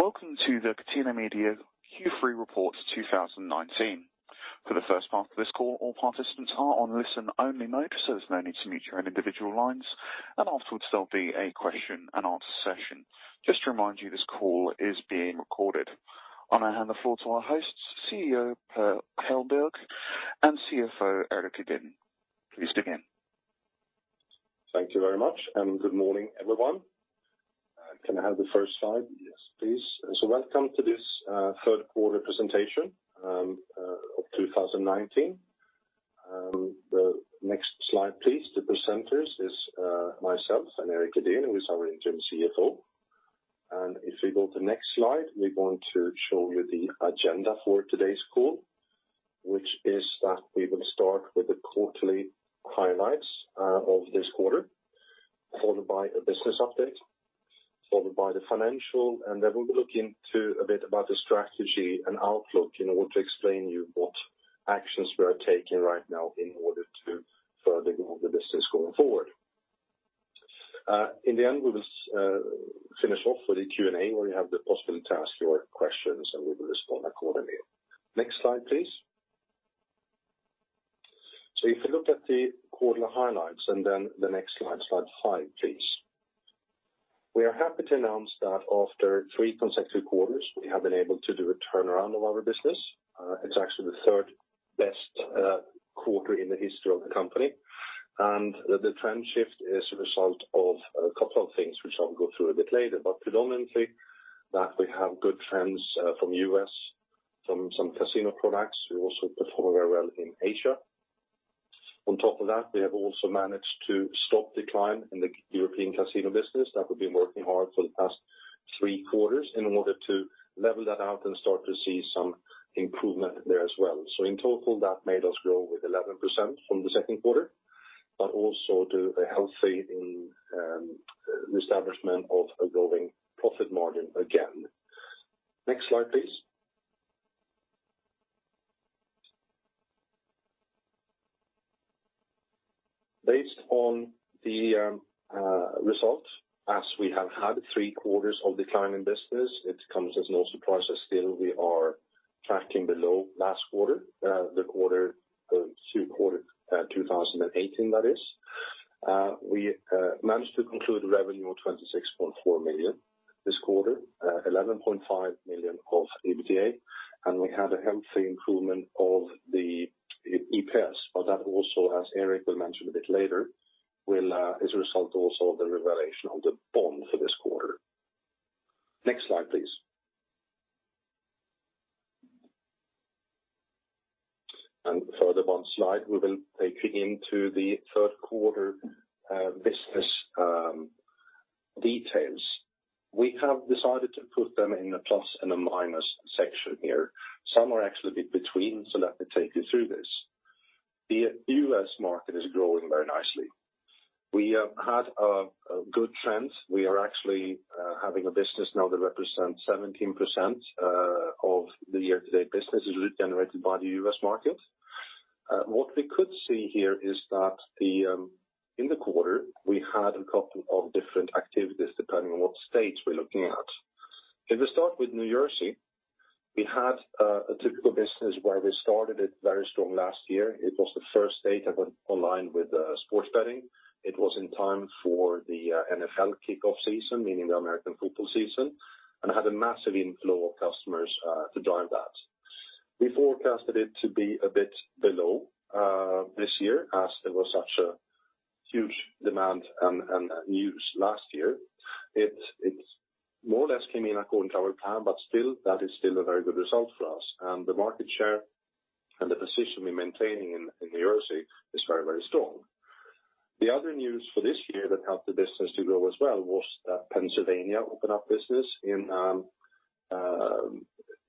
Welcome to the Catena Media Q3 Report 2019. For the first part of this call, all participants are on listen-only mode, there's no need to mute your own individual lines. Afterwards, there'll be a question and answer session. Just to remind you, this call is being recorded. I'll hand the floor to our hosts, CEO, Per Hellberg, and CFO, Erik Edeen. Please begin. Thank you very much, and good morning, everyone. Can I have the first slide? Yes, please. Welcome to this third quarter presentation of 2019. The next slide, please. The presenters is myself and Erik Edeen, who is our interim CFO. If we go to the next slide, we're going to show you the agenda for today's call, which is that we will start with the quarterly highlights of this quarter, followed by a business update, followed by the financial, and then we'll look into a bit about the strategy and outlook in order to explain to you what actions we are taking right now in order to further grow the business going forward. In the end, we will finish off with a Q&A, where you have the possibility to ask your questions, and we will respond accordingly. Next slide, please. If you look at the quarterly highlights, then the next slide five, please. We are happy to announce that after three consecutive quarters, we have been able to do a turnaround of our business. It's actually the third-best quarter in the history of the company. The trend shift is a result of a couple of things, which I'll go through a bit later, but predominantly, that we have good trends from U.S., from some casino products. We also perform very well in Asia. On top of that, we have also managed to stop decline in the European casino business that we've been working hard for the past three quarters in order to level that out and start to see some improvement there as well. In total, that made us grow with 11% from the second quarter, but also do a healthy establishment of a growing profit margin again. Next slide, please. Based on the results, as we have had three quarters of decline in business, it comes as no surprise that still we are tracking below last quarter, the quarter of Q2 2018, that is. We managed to conclude revenue of 26.4 million this quarter, 11.5 million of EBITDA, and we had a healthy improvement of the EPS. That also, as Erik will mention a bit later, is a result also of the revaluation of the bond for this quarter. Next slide, please. Further, one slide, we will take you into the third quarter business details. We have decided to put them in a plus and a minus section here. Some are actually a bit between. Let me take you through this. The U.S. market is growing very nicely. We have had a good trend. We are actually having a business now that represents 17% of the year-to-date business is generated by the U.S. market. What we could see here is that in the quarter, we had a couple of different activities depending on what state we're looking at. If we start with New Jersey, we had a typical business where we started it very strong last year. It was the first state that went online with sports betting. It was in time for the NFL kickoff season, meaning the American football season, and had a massive inflow of customers to drive that. We forecasted it to be a bit below this year as there was such a huge demand and news last year. It more or less came in according to our plan, but still, that is still a very good result for us. The market share and the position we're maintaining in New Jersey is very strong. The other news for this year that helped the business to grow as well was that Pennsylvania opened up business a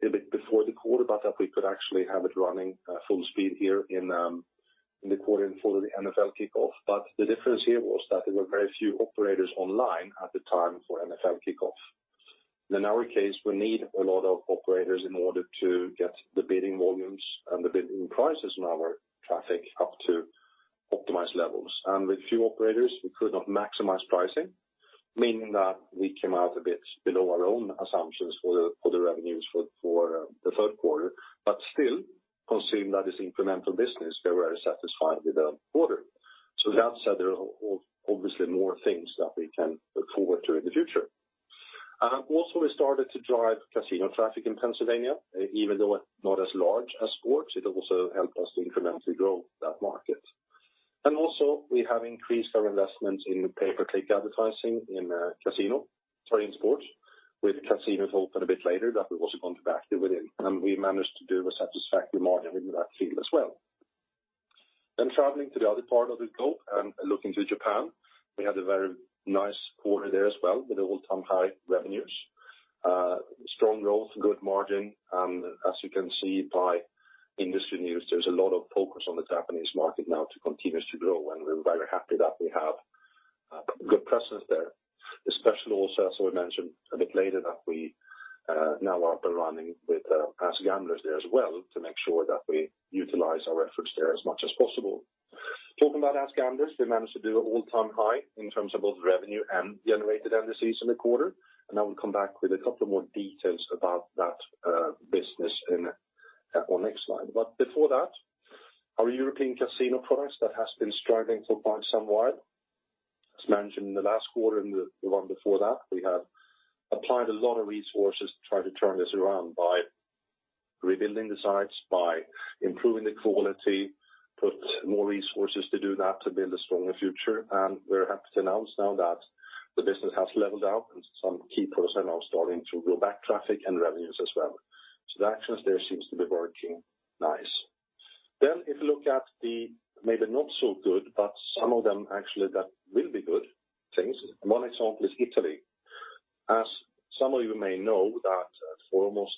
bit before the quarter, but that we could actually have it running full speed here in the quarter in for the NFL kickoff. The difference here was that there were very few operators online at the time for NFL kickoff. In our case, we need a lot of operators in order to get the bidding volumes and the bidding prices on our traffic up to optimized levels. With few operators, we could not maximize pricing, meaning that we came out a bit below our own assumptions for the revenues for the third quarter. Still, considering that is incremental business, we are very satisfied with the quarter. That said, there are obviously more things that we can look forward to in the future. We started to drive casino traffic in Pennsylvania, even though not as large as sports. It also helped us to incrementally grow that market. We have increased our investment in pay-per-click advertising in casino, sorry, in sports, with casino open a bit later that we're also going to be active within. We managed to do a satisfactory margin in that field as well. Traveling to the other part of the globe and looking to Japan, we had a very nice quarter there as well with all-time high revenues. Strong growth, good margin. As you can see by industry news, there's a lot of focus on the Japanese market now to continue to grow, and we're very happy that we have a good presence there, especially also, as we mentioned a bit later, that we now are up and running with AskGamblers there as well to make sure that we utilize our efforts there as much as possible. Talking about AskGamblers, we managed to do all-time high in terms of both revenue and generated NDCs in the quarter, and I will come back with a couple more details about that business in our next slide. Before that, our European casino products that has been struggling for quite some while, as mentioned in the last quarter and the one before that, we have applied a lot of resources to try to turn this around by rebuilding the sites, by improving the quality, put more resources to do that, to build a stronger future. We're happy to announce now that the business has leveled out and some key products are now starting to build back traffic and revenues as well. The actions there seems to be working nice. If you look at the maybe not so good, but some of them actually that will be good things. One example is Italy. As some of you may know that for almost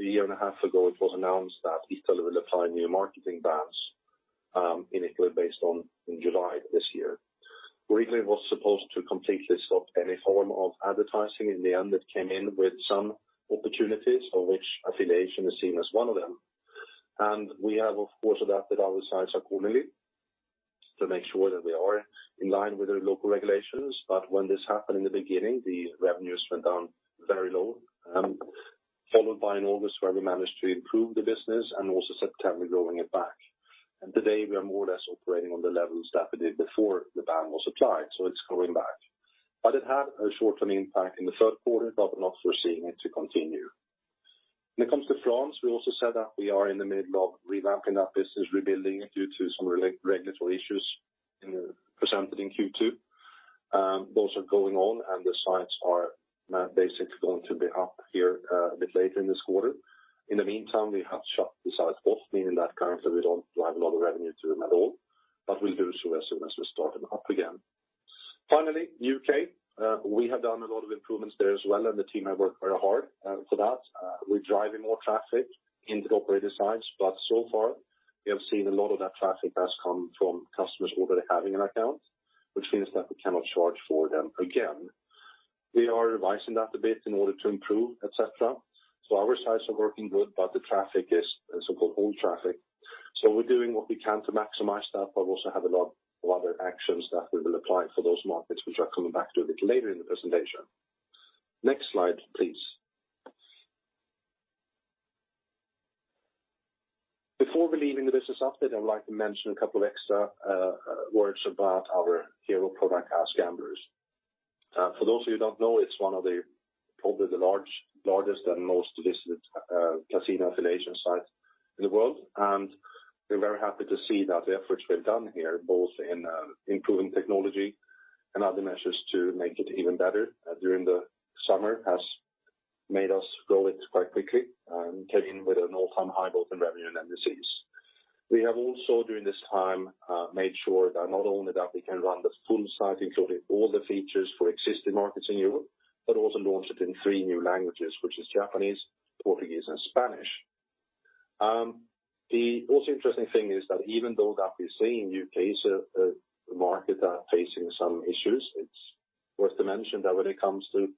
a year and a half ago, it was announced that Italy will apply new marketing bans in Italy based on in July this year. Briefly, it was supposed to completely stop any form of advertising. In the end, it came in with some opportunities, of which affiliation is seen as one of them. We have, of course, adapted our sites accordingly to make sure that we are in line with their local regulations. When this happened, in the beginning, the revenues went down very low, followed by in August, where we managed to improve the business and also September growing it back. Today, we are more or less operating on the levels that we did before the ban was applied. It's growing back. It had a short-term impact in the third quarter, but we're not foreseeing it to continue. When it comes to France, we also said that we are in the middle of revamping that business, rebuilding it due to some regulatory issues presented in Q2. Those are going on, and the sites are basically going to be up here a bit later in this quarter. In the meantime, we have shut the sites off, meaning that currently we don't drive a lot of revenue to them at all, but we'll do so as soon as we start them up again. Finally, U.K. We have done a lot of improvements there as well, and the team have worked very hard for that. We're driving more traffic into the operator sites, but so far we have seen a lot of that traffic has come from customers already having an account, which means that we cannot charge for them again. We are revising that a bit in order to improve, et cetera. Our sites are working good, but the traffic is so-called old traffic. We're doing what we can to maximize that, but also have a lot of other actions that we will apply for those markets, which I'll come back to a bit later in the presentation. Next slide, please. Before we leave in the business update, I would like to mention a couple extra words about our hero product, AskGamblers. For those who don't know, it's one of the probably the largest and most visited casino affiliation sites in the world. We're very happy to see that the efforts we've done here, both in improving technology and other measures to make it even better during the summer, has made us grow it quite quickly and came in with an all-time high both in revenue and NDCs. We have also, during this time, made sure that not only that we can run the full site, including all the features for existing markets in Europe, but also launched it in three new languages, which is Japanese, Portuguese, and Spanish. The also interesting thing is that even though that we're seeing U.K. as a market that facing some issues, it's worth to mention that when it comes to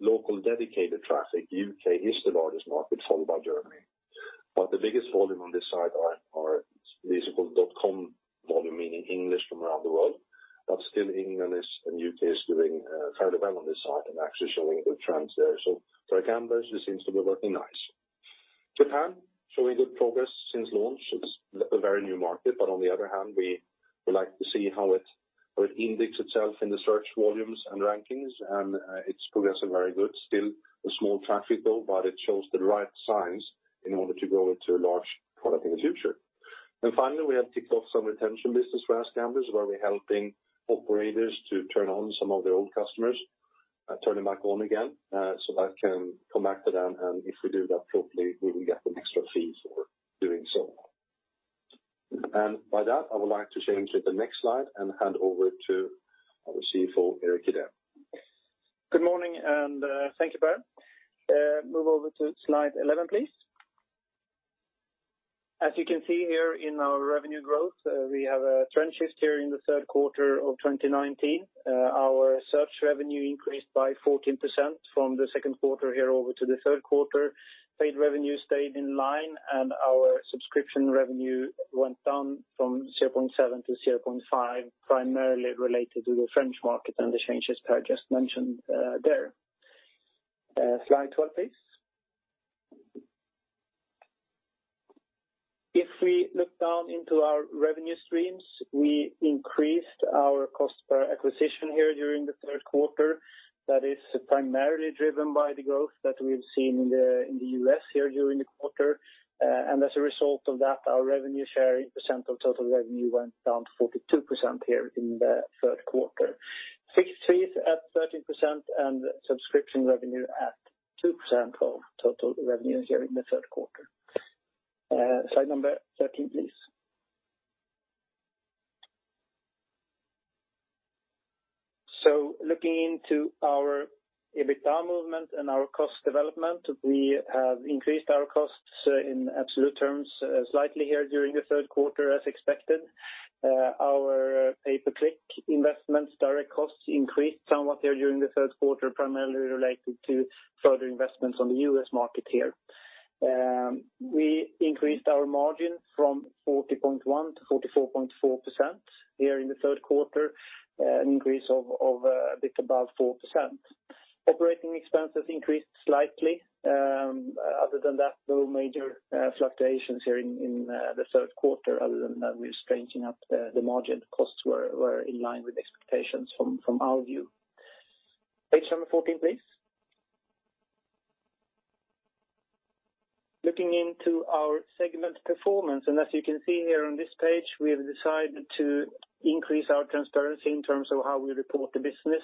local dedicated traffic, U.K. is the largest market, followed by Germany. The biggest volume on this side are these. [inaudible] com volume, meaning English from around the world. Still England is, and U.K. is doing fairly well on this side and actually showing good trends there. For AskGamblers, this seems to be working nice. Japan, showing good progress since launch. It's a very new market, but on the other hand, we would like to see how it index itself in the search volumes and rankings, and it's progressing very good. Still a small traffic, though, but it shows the right signs in order to grow it to a large product in the future. Finally, we have ticked off some retention business for AskGamblers, where we're helping operators to turn on some of their old customers, turn them back on again. That can come back to them, and if we do that properly, we will get an extra fee for doing so. By that, I would like to change to the next slide and hand over to our CFO, Erik Edeen. Good morning. Thank you, Per. Move over to slide 11, please. As you can see here in our revenue growth, we have a trend shift here in the third quarter of 2019. Our search revenue increased by 14% from the second quarter here over to the third quarter. Paid revenue stayed in line, and our subscription revenue went down from 0.7-0.5, primarily related to the French market and the changes Per just mentioned there. Slide 12, please. If we look down into our revenue streams, we increased our cost per acquisition here during the third quarter. That is primarily driven by the growth that we've seen in the U.S. here during the quarter. As a result of that, our revenue share, percent of total revenue went down to 42% here in the third quarter. Fixed fees at 13% and subscription revenue at 2% of total revenues here in the third quarter. Slide number 13, please. Looking into our EBITDA movement and our cost development, we have increased our costs in absolute terms slightly here during the third quarter, as expected. Our pay-per-click investments, direct costs increased somewhat here during the third quarter, primarily related to further investments on the U.S. market here. We increased our margin from 40.1%-44.4% here in the third quarter, an increase of a bit above 4%. Operating expenses increased slightly. Other than that, no major fluctuations here in the third quarter. Other than that we're strengthening up the margin. Costs were in line with expectations from our view. Page number 14, please. Looking into our segment performance, as you can see here on this page, we have decided to increase our transparency in terms of how we report the business,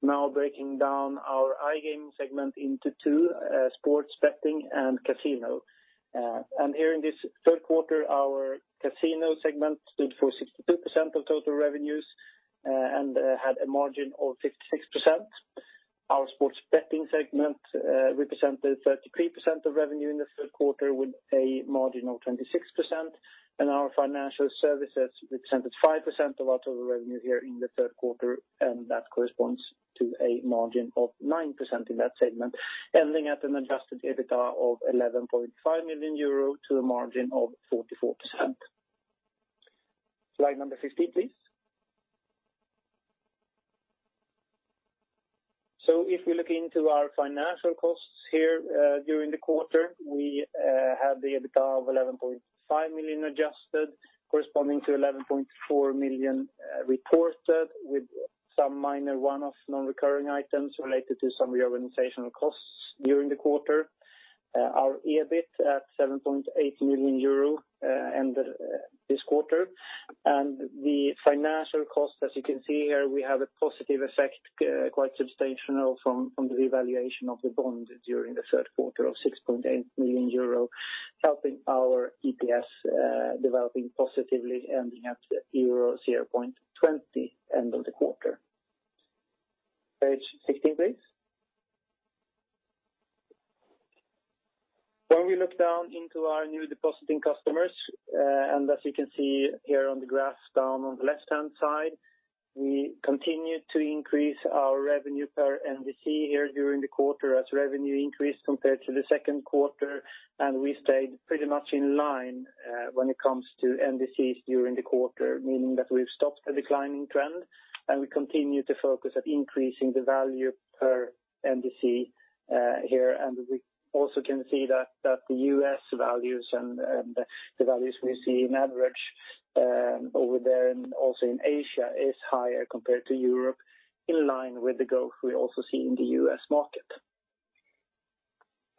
now breaking down our iGaming segment into two, sports betting and casino. Here in this third quarter, our casino segment stood for 62% of total revenues and had a margin of 56%. Our sports betting segment represented 33% of revenue in the third quarter with a margin of 26%. Our financial services represented 5% of our total revenue here in the third quarter, and that corresponds to a margin of 9% in that segment. Ending at an adjusted EBITDA of 11.5 million euro to a margin of 44%. Slide number 15, please. If we look into our financial costs here during the quarter, we had the EBITDA of 11.5 million adjusted, corresponding to 11.4 million reported with some minor one-off non-recurring items related to some reorganizational costs during the quarter. Our EBIT at 7.8 million euro ended this quarter. The financial cost, as you can see here, we have a positive effect, quite substantial from the revaluation of the bond during the third quarter of 6.8 million euro, helping our EPS developing positively, ending at euro 0.20 end of the quarter. Page 16, please. When we look down into our New Depositing Customers, as you can see here on the graph down on the left-hand side, we continued to increase our revenue per NDC here during the quarter as revenue increased compared to the second quarter. We stayed pretty much in line when it comes to NDCs during the quarter, meaning that we've stopped the declining trend, and we continue to focus at increasing the value per NDC here. We also can see that the U.S. values and the values we see in average over there and also in Asia is higher compared to Europe, in line with the growth we also see in the U.S. market.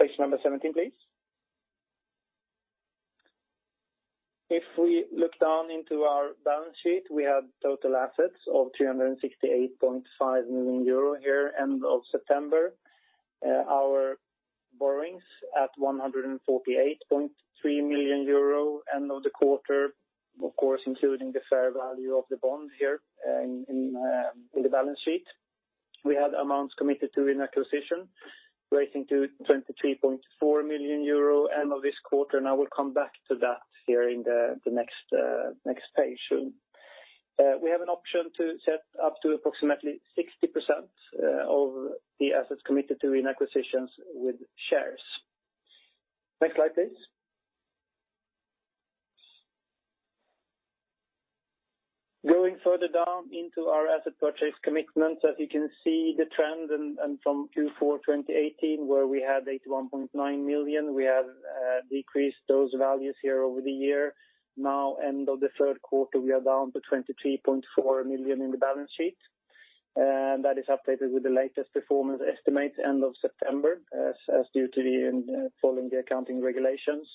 Page 17, please. If we look down into our balance sheet, we have total assets of 368.5 million euro here end of September. Our borrowings at 148.3 million euro end of the quarter, of course, including the fair value of the bond here in the balance sheet. We have amounts committed to in acquisition, relating to 23.4 million euro end of this quarter, and I will come back to that here in the next page soon. We have an option to set up to approximately 60% of the assets committed to in acquisitions with shares. Next slide, please. Going further down into our asset purchase commitments, as you can see, the trend from Q4 2018, where we had 81.9 million, we have decreased those values here over the year. Now end of the third quarter, we are down to 23.4 million in the balance sheet. That is updated with the latest performance estimate end of September, as due to the following the accounting regulations.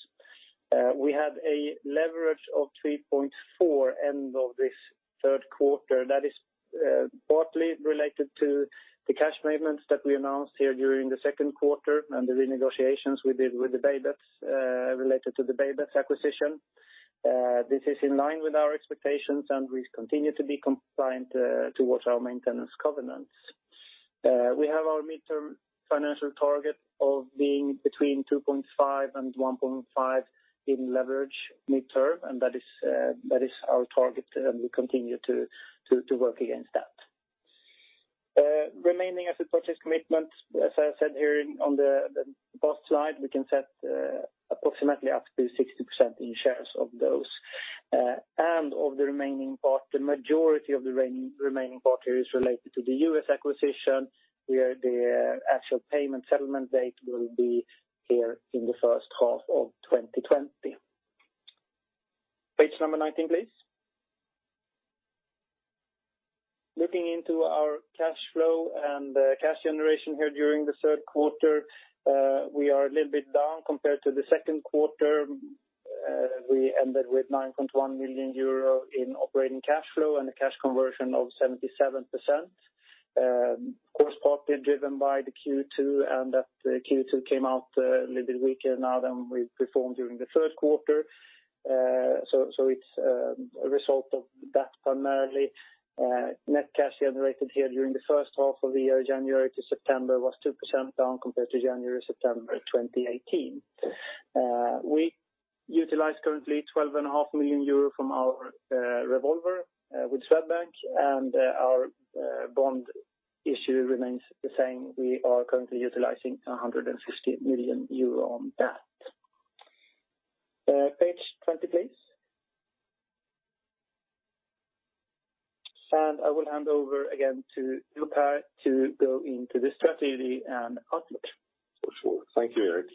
We have a leverage of 3.4 end of this third quarter. That is partly related to the cash payments that we announced here during the second quarter and the renegotiations we did with the BayBets, related to the BayBets acquisition. This is in line with our expectations, and we continue to be compliant towards our maintenance covenants. We have our midterm financial target of being between 2.5 and 1.5 in leverage midterm, and that is our target, and we continue to work against that. Remaining asset purchase commitment, as I said here on the past slide, we can set approximately up to 60% in shares of those. Of the remaining part, the majority of the remaining part here is related to the U.S. acquisition, where the actual payment settlement date will be here in the first half of 2020. Page number 19, please. Looking into our cash flow and cash generation here during the third quarter. We are a little bit down compared to the second quarter. We ended with 9.1 million euro in operating cash flow and a cash conversion of 77%. Of course, partly driven by the Q2, and that Q2 came out a little bit weaker now than we performed during the first quarter. It's a result of that primarily. Net cash generated here during the first half of the year, January to September, was 2% down compared to January to September 2018. We utilize currently 12.5 million euros from our revolver with Swedbank and our bond issue remains the same. We are currently utilizing 150 million euro on that. Page 20, please. I will hand over again to Per to go into the strategy and outlook. For sure. Thank you, Erik.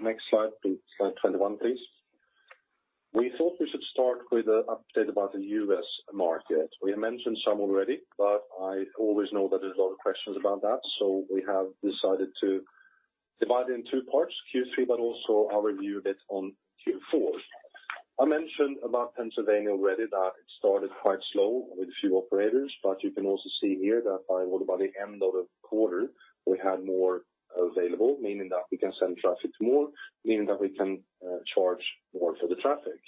Next slide, please. Slide 21, please. We thought we should start with an update about the U.S. market. We mentioned some already, I always know that there's a lot of questions about that. We have decided to divide it in two parts, Q3, but also our review a bit on Q4. I mentioned about Pennsylvania already that it started quite slow with a few operators, but you can also see here that by the end of the quarter, we had more available, meaning that we can send traffic to more, meaning that we can charge more for the traffic.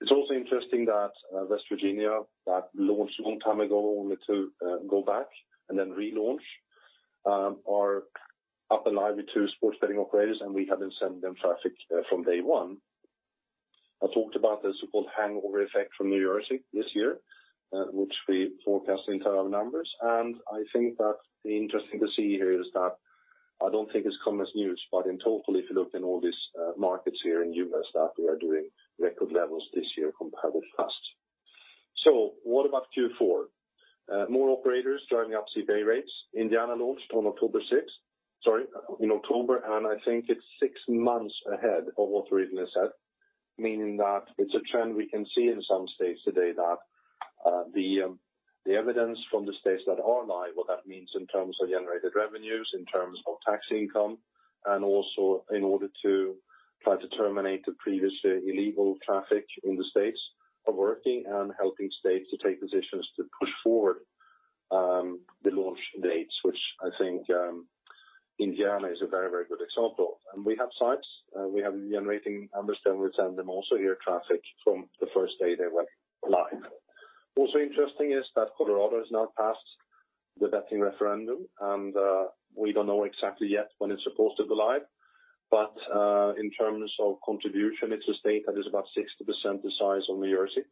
It's also interesting that West Virginia, that launched a long time ago, only to go back and then relaunch, are up and live with two sports betting operators, and we have been sending them traffic from day one. I talked about the so-called hangover effect from New Jersey this year, which we forecast into our numbers, and I think that interesting to see here is that I don't think this comes as news, but in total, if you look in all these markets here in the U.S. that we are doing record levels this year compared with last. What about Q4? More operators joining up CPA rates. Indiana launched in October, and I think it's six months ahead of what originally said, meaning that it's a trend we can see in some states today that the evidence from the states that are live, what that means in terms of generated revenues, in terms of tax income, and also in order to try to terminate the previously illegal traffic in the states are working and helping states to take positions to push forward the launch dates, which I think Indiana is a very, very good example. We have sites, we have generating numbers there. We send them also here traffic from the first day they went live. Also interesting is that Colorado has now passed the betting referendum, and we don't know exactly yet when it's supposed to go live. In terms of contribution, it's a state that is about 60% the size of New Jersey,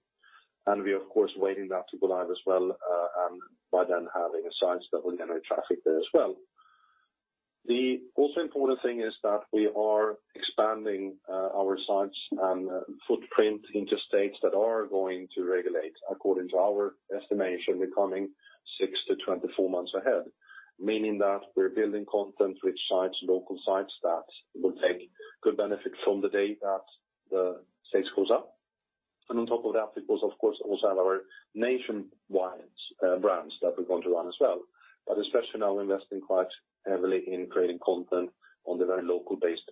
and we of course are waiting that to go live as well, and by then having sites that will generate traffic there as well. The also important thing is that we are expanding our sites and footprint into states that are going to regulate according to our estimation, the coming 6-24 months ahead. Meaning that we're building content with sites, local sites that will take good benefit from the day that the state goes up. On top of that, it was of course also have our nationwide brands that we're going to run as well, but especially now we're investing quite heavily in creating content on the very local based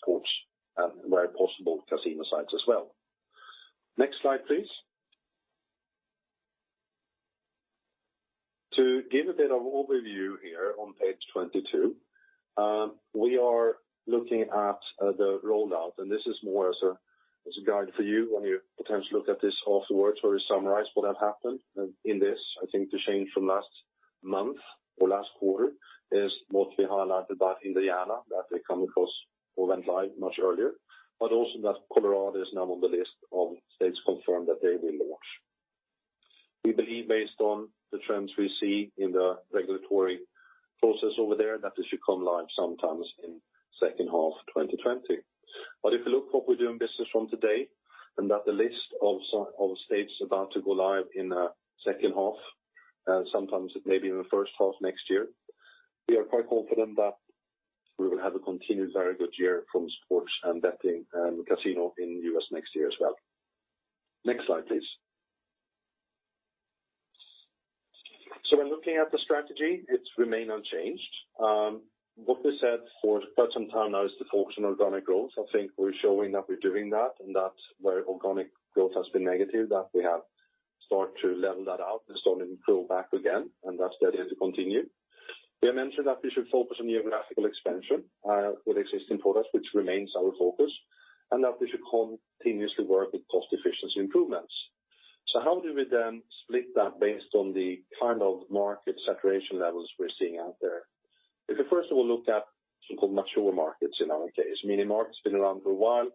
sports and where possible, casino sites as well. Next slide, please. To give a bit of overview here on page 22, we are looking at the rollout, and this is more as a guide for you when you potentially look at this afterwards, where we summarize what have happened in this. I think the change from last month or last quarter is mostly highlighted by Indiana, that they come across or went live much earlier, but also that Colorado is now on the list of states confirmed that they will launch. We believe based on the trends we see in the regulatory process over there, that they should come live sometimes in second half of 2020. If you look what we do in business from today and that the list of states about to go live in second half, sometimes maybe in the first half next year, we are quite confident that we will have a continued very good year from sports and betting and casino in U.S. next year as well. Next slide, please. When looking at the strategy, it's remained unchanged. What we said for quite some time now is to focus on organic growth. I think we're showing that we're doing that and that where organic growth has been negative, that we have start to level that out and starting to grow back again, and that's the idea to continue. We have mentioned that we should focus on geographical expansion, with existing products, which remains our focus, and that we should continuously work with cost efficiency improvements. How do we then split that based on the kind of market saturation levels we're seeing out there? If we first of all look at so-called mature markets in our case, meaning markets been around for a while,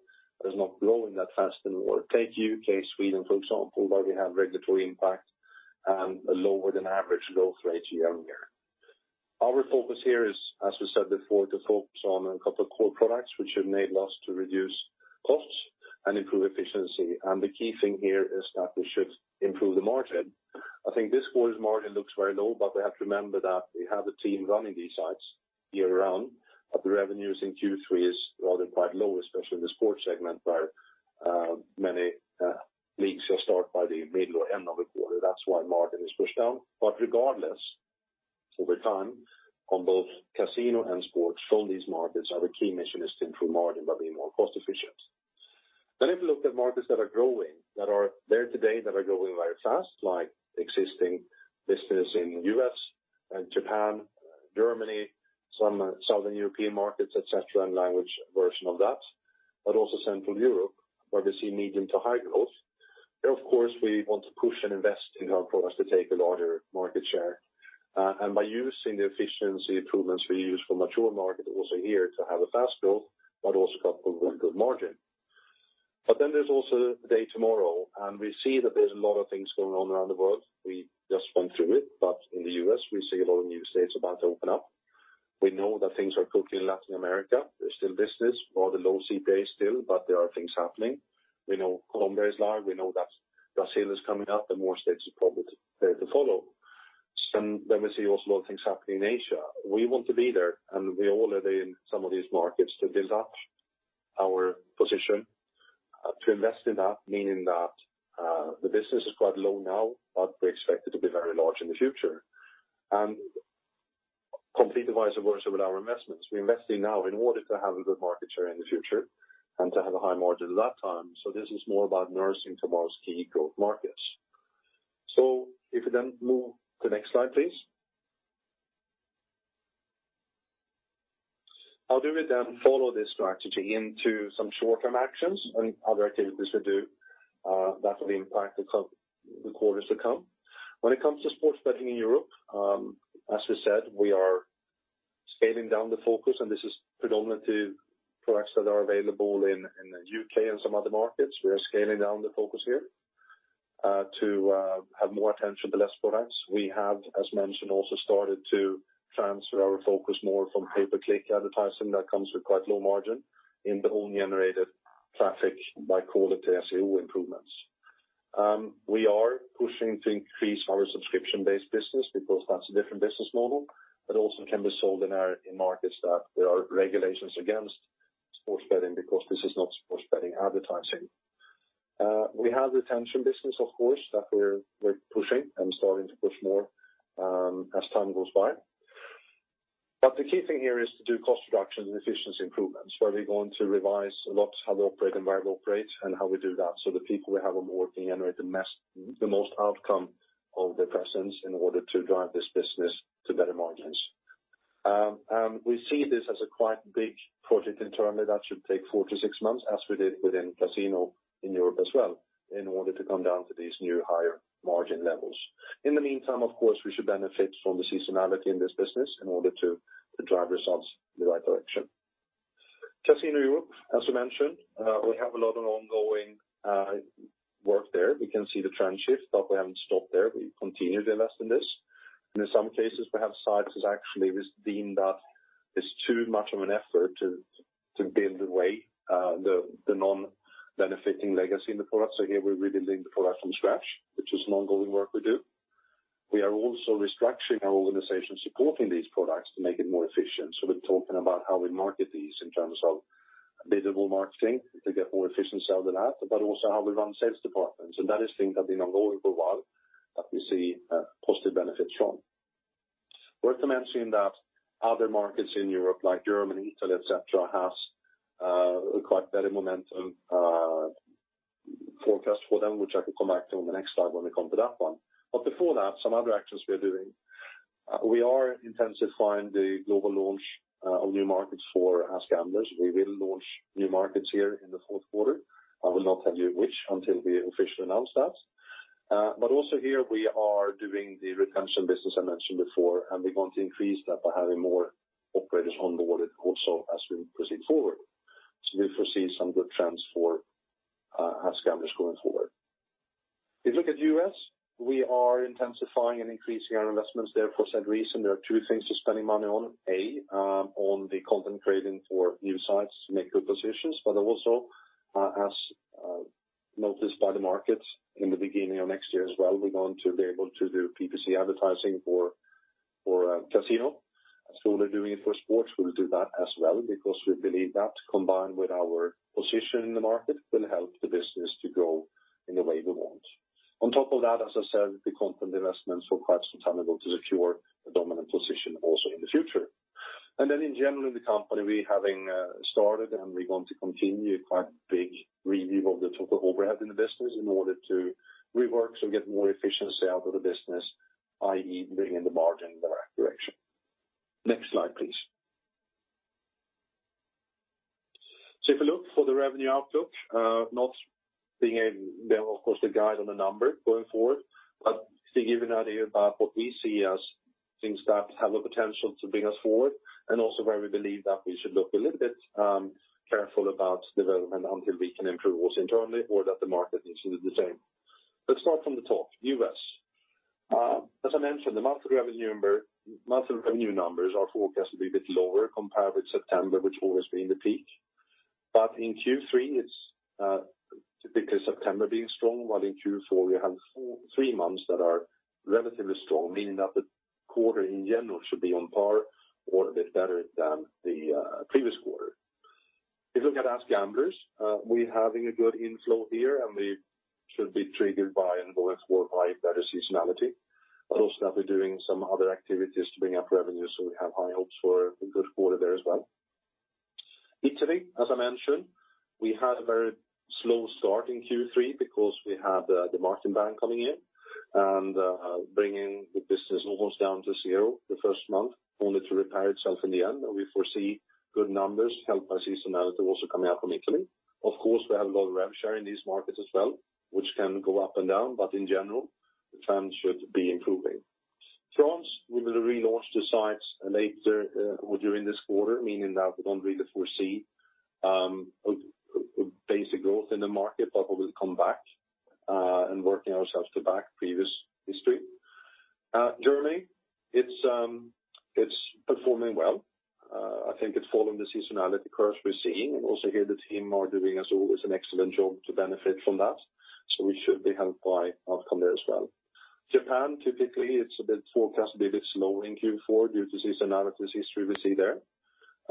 but it's not growing that fast anymore. Take U.K., Sweden, for example, where we have regulatory impact and a lower than average growth rate year-on-year. Our focus here is, as we said before, to focus on a couple of core products which should enable us to reduce costs and improve efficiency. The key thing here is that we should improve the margin. I think this quarter's margin looks very low. We have to remember that we have a team running these sites year round. The revenues in Q3 is rather quite low, especially in the sports segment, where many leagues will start by the middle or end of the quarter. That's why margin is pushed down. Regardless, over time, on both casino and sports from these markets, our key mission is to improve margin by being more cost efficient. If you look at markets that are growing, that are there today that are growing very fast, like existing business in U.S. and Japan, Germany, some Southern European markets, et cetera, and language version of that, also Central Europe where we see medium to high growth. Of course, we want to push and invest in our products to take a larger market share. By using the efficiency improvements we use for mature market also here to have a fast build, but also got good margin. There's also the day tomorrow, and we see that there's a lot of things going on around the world. We just went through it, but in the U.S., we see a lot of new states about to open up. We know that things are cooking in Latin America. There's still business, rather low CPA still, but there are things happening. We know Colombia is live. We know that Brazil is coming up. The more states are probably there to follow. We see also a lot of things happening in Asia. We want to be there, we already in some of these markets to build up our position, to invest in that, meaning that the business is quite low now, but we expect it to be very large in the future. Complete the vice versa with our investments. We are investing now in order to have a good market share in the future and to have a high margin at that time. This is more about nursing tomorrow's key growth markets. If we move to the next slide, please. How do we follow this strategy into some short-term actions and other activities we do that will impact the quarters to come? When it comes to sports betting in Europe, as we said, we are scaling down the focus, and this is predominantly products that are available in the U.K. and some other markets. We are scaling down the focus here to have more attention to less products. We have, as mentioned, also started to transfer our focus more from pay-per-click advertising that comes with quite low margin in the own generated traffic by quality SEO improvements. We are pushing to increase our subscription-based business because that's a different business model, but also can be sold in markets that there are regulations against sports betting because this is not sports betting advertising. We have retention business, of course, that we're pushing and starting to push more as time goes by. The key thing here is to do cost reduction and efficiency improvements, where we're going to revise a lot how we operate, environment we operate, and how we do that. The people we have on board can generate the most outcome of their presence in order to drive this business to better margins. We see this as a quite big project internally that should take four-six months as we did within Casino Europe as well, in order to come down to these new higher margin levels. In the meantime, of course, we should benefit from the seasonality in this business in order to drive results in the right direction. Casino Europe, as we mentioned, we have a lot of ongoing work there. We can see the trend shift, but we haven't stopped there. We continue to invest in this. In some cases, we have sites as actually we've deemed that it's too much of an effort to build the way the non-benefiting legacy in the product. Here we are rebuilding the product from scratch, which is an ongoing work we do. We are also restructuring our organization supporting these products to make it more efficient. We are talking about how we market these in terms of visible marketing to get more efficient sale than that, but also how we run sales departments. That is things have been ongoing for a while that we see positive benefits from. Worth mentioning that other markets in Europe, like Germany, Italy, et cetera, have quite better momentum forecast for them, which I could come back to on the next slide when we come to that one. Before that, some other actions we are doing. We are intensifying the global launch of new markets for AskGamblers. We will launch new markets here in the fourth quarter. I will not tell you which until we officially announce that. Also here we are doing the retention business I mentioned before, and we're going to increase that by having more operators on board also as we proceed forward. We foresee some good trends for AskGamblers going forward. If you look at U.S., we are intensifying and increasing our investments there for said reason. There are two things to spending money on. A, on the content creating for new sites to make good positions, but also, as noticed by the market in the beginning of next year as well, we're going to be able to do PPC advertising for our casino. As we'll be doing it for sports, we'll do that as well because we believe that combined with our position in the market will help the business to grow in the way we want. On top of that, as I said, the content investments require some time able to secure a dominant position also in the future. In general, in the company, we having started and we're going to continue quite big review of the total overhead in the business in order to rework, so get more efficiency out of the business, i.e., bring in the margin in the right direction. Next slide, please. If you look for the revenue outlook, not being able, of course, to guide on the number going forward, but to give you an idea about what we see as things that have a potential to bring us forward, and also where we believe that we should look a little bit careful about development until we can improve also internally or that the market is the same. Let's start from the top, U.S. As I mentioned, the monthly revenue numbers are forecast to be a bit lower compared with September, which always being the peak. In Q3, it's because September being strong, while in Q4 we have three months that are relatively strong, meaning that the quarter in general should be on par or a bit better than the previous quarter. If you look at AskGamblers, we're having a good inflow here, and we should be triggered by and buoyed forward by better seasonality, but also that we're doing some other activities to bring up revenue. We have high hopes for a good quarter there as well. Italy, as I mentioned, we had a very slow start in Q3 because we had the marketing ban coming in, bringing the business almost down to zero the first month, only to repair itself in the end. We foresee good numbers helped by seasonality also coming up from Italy. Of course, we have a lot of rev share in these markets as well, which can go up and down, but in general, the trend should be improving. France, we will relaunch the sites later during this quarter, meaning that we don't really foresee basic growth in the market, but we will come back and working ourselves to back previous history. Germany, it's performing well. I think it's following the seasonality curves we're seeing, and also here the team are doing as always an excellent job to benefit from that. We should be helped by outcome there as well. Japan, typically it's a bit forecast, a bit slow in Q4 due to seasonality history we see there.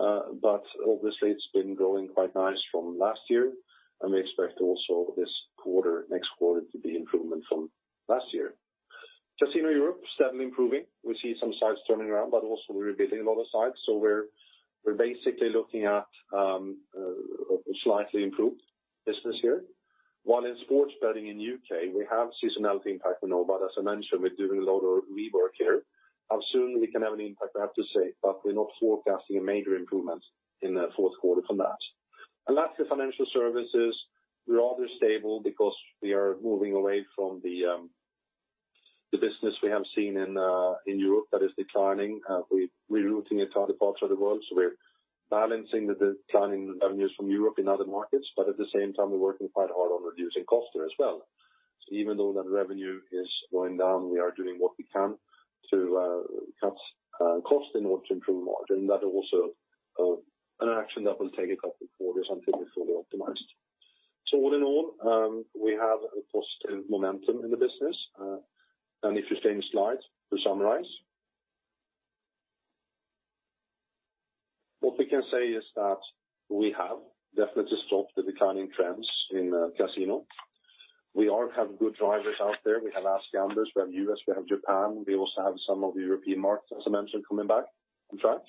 Obviously it's been growing quite nice from last year, and we expect also this quarter, next quarter to be improvement from last year. Casino Europe, steadily improving. We see some sites turning around, but also we're rebuilding a lot of sites. We're basically looking at slightly improved business here. In sports betting in U.K., we have seasonality impact we know, but as I mentioned, we're doing a lot of rework here. How soon we can have an impact, I have to say, but we're not forecasting a major improvement in the fourth quarter from that. Lastly financial services, rather stable because we are moving away from the business we have seen in Europe that is declining. We're routing it to other parts of the world. We're balancing the declining revenues from Europe in other markets, but at the same time, we're working quite hard on reducing cost there as well. Even though that revenue is going down, we are doing what we can to cut cost in order to improve margin. That is also an action that will take a couple of quarters until we're fully optimized. If you stay in the slide, to summarize. What we can say is that we have definitely stopped the declining trends in casino. We have good drivers out there. We have AskGamblers, we have U.S., we have Japan. We also have some of the European markets, as I mentioned, coming back on track.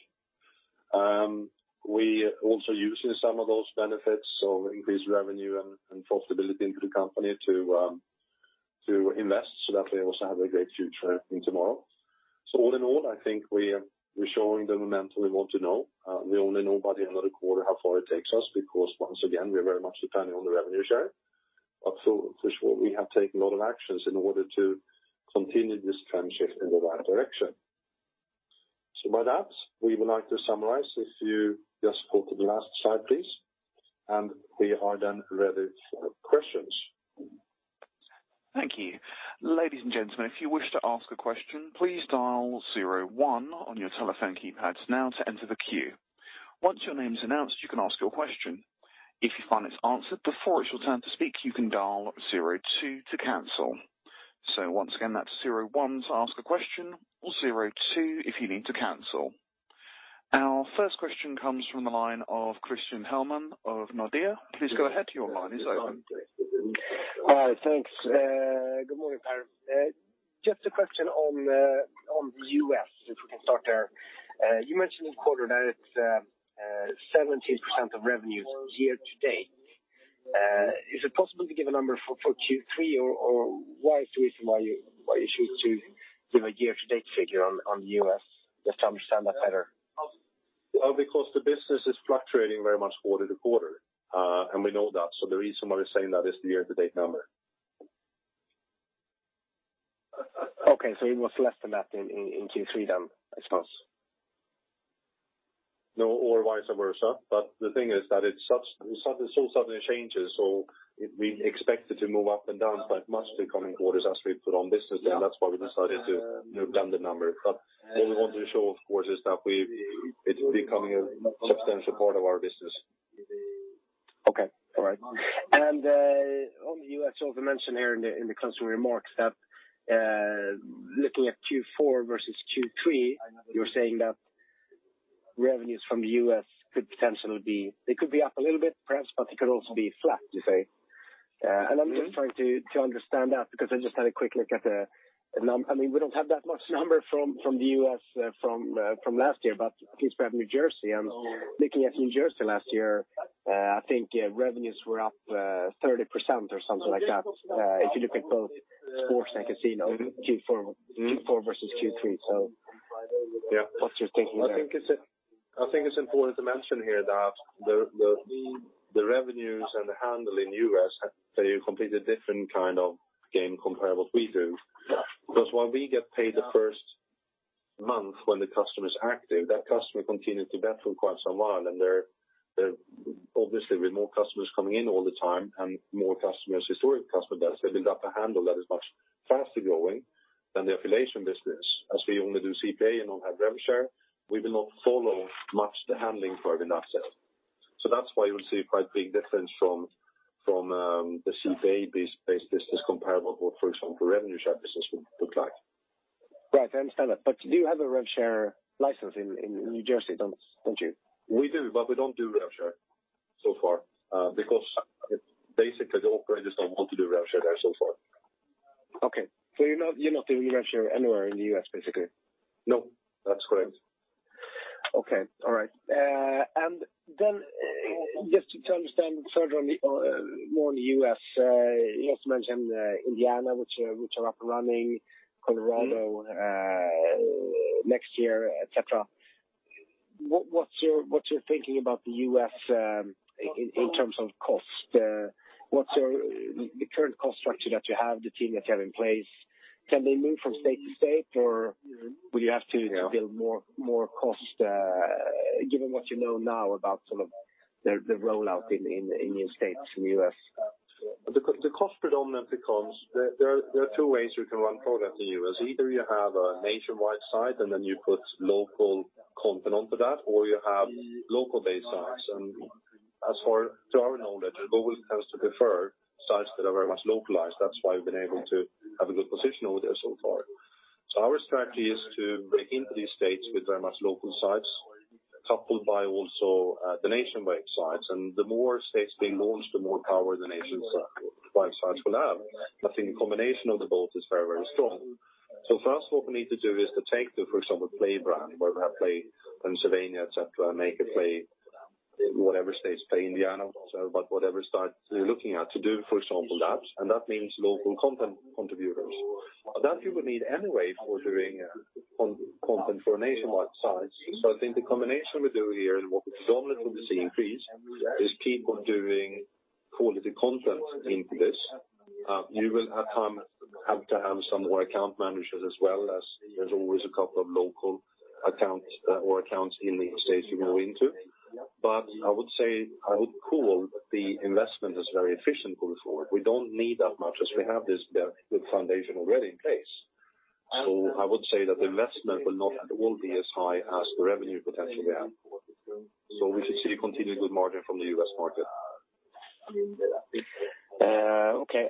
We also using some of those benefits of increased revenue and profitability into the company to invest so that we also have a great future in tomorrow. All in all, I think we're showing the momentum we want to know. We only know by the end of the quarter how far it takes us, because once again, we are very much depending on the revenue share. For sure, we have taken a lot of actions in order to continue this trend shift in the right direction. By that, we would like to summarize if you just go to the last slide, please. We are then ready for questions. Thank you. Ladies and gentlemen, if you wish to ask a question, please dial zero one on your telephone keypads now to enter the queue. Once your name's announced, you can ask your question. If you find it's answered before it's your turn to speak, you can dial zero two to cancel. Once again, that's zero one to ask a question or zero two if you need to cancel. Our first question comes from the line of Christian Hellman of Nordea. Please go ahead. Your line is open. Hi. Thanks. Good morning, Per. Just a question on the U.S., if we can start there. You mentioned in the quarter that it's 17% of revenues year to date. Is it possible to give a number for Q3 or what is the reason why you choose to give a year to date figure on U.S., just to understand that better? Because the business is fluctuating very much quarter to quarter, and we know that. The reason why we're saying that is the year to date number. Okay, it was less than that in Q3 then, I suppose. No, or vice versa. The thing is that it so suddenly changes, so we expect it to move up and down quite much in the coming quarters as we put on business. That's why we decided to move down the number. What we want to show, of course, is that it's becoming a substantial part of our business. Okay. All right. On the U.S., also mentioned here in the customer remarks that, looking at Q4 versus Q3, you're saying that revenues from the U.S. could potentially be up a little bit, perhaps, but they could also be flat, you say. I'm just trying to understand that because I just had a quick look at, I mean, we don't have that much number from the U.S. from last year, but at least we have New Jersey. Looking at New Jersey last year, I think revenues were up 30% or something like that, if you look at both sports and casino, Q4 versus Q3. Yeah. What's your thinking there? I think it's important to mention here that the revenues and the handle in U.S. have a completely different kind of game compared what we do. When we get paid the first month when the customer is active, that customer continues to bet for quite some while, and they're obviously with more customers coming in all the time and more customers, historic customer bets, they build up a handle that is much faster growing than the affiliation business. As we only do CPA and don't have rev share, we will not follow much the handling for the sales. That's why you will see quite big difference from the CPA-based business comparable what, for example, the revenue share business would look like. Right. I understand that. You do have a rev share license in New Jersey, don't you? We do, but we don't do rev share so far, because basically the operators don't want to do rev share there so far. Okay. you're not doing rev share anywhere in the U.S., basically? No, that's correct. Okay. All right. Then just to understand further on more on the U.S., you also mentioned Indiana, which are up and running, Colorado next year, et cetera. What's your thinking about the U.S. in terms of cost? The current cost structure that you have, the team that you have in place, can they move from state to state, or will you have to build more cost, given what you know now about sort of the rollout in new states in the U.S.? There are two ways you can run product in the U.S. Either you have a nationwide site and then you put local content onto that, or you have local-based sites. As far as to our knowledge, Google tends to prefer sites that are very much localized. That's why we've been able to have a good position over there so far. Our strategy is to break into these states with very much local sites, coupled by also the nationwide sites. The more states being launched, the more power the nationwide sites will have. I think the combination of the both is very, very strong. First what we need to do is to take the, for example, Play brand, where we have PlayPennsylvania, et cetera, make a Play in whatever states, PlayIndiana also, but whatever sites we're looking at to do, for example, that, and that means local content contributors. That you would need anyway for doing content for a nationwide site. I think the combination we do here, and what we predominantly see increase, is keep on doing quality content into this. You will have to have some more account managers as well, as there's always a couple of local accounts or accounts in the states you go into. I would say, I would call the investment as very efficient going forward. We don't need as much as we have this good foundation already in place. I would say that the investment won't be as high as the revenue potential we have. We should see continued good margin from the U.S. market. Okay.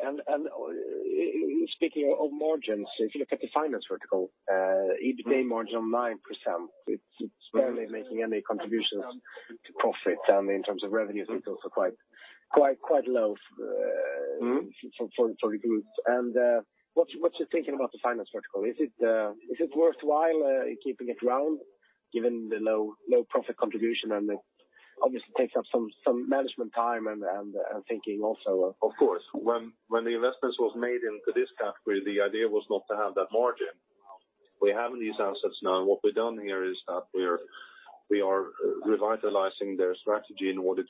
Speaking of margins, if you look at the finance vertical, EBITDA margin of 9%, it's barely making any contributions to profit. In terms of revenues, it's also quite low for the group. What's your thinking about the finance vertical? Is it worthwhile keeping it around given the low profit contribution and it obviously takes up some management time? When the investments was made into this category, the idea was not to have that margin. We have these assets now, and what we've done here is that we are revitalizing their strategy in order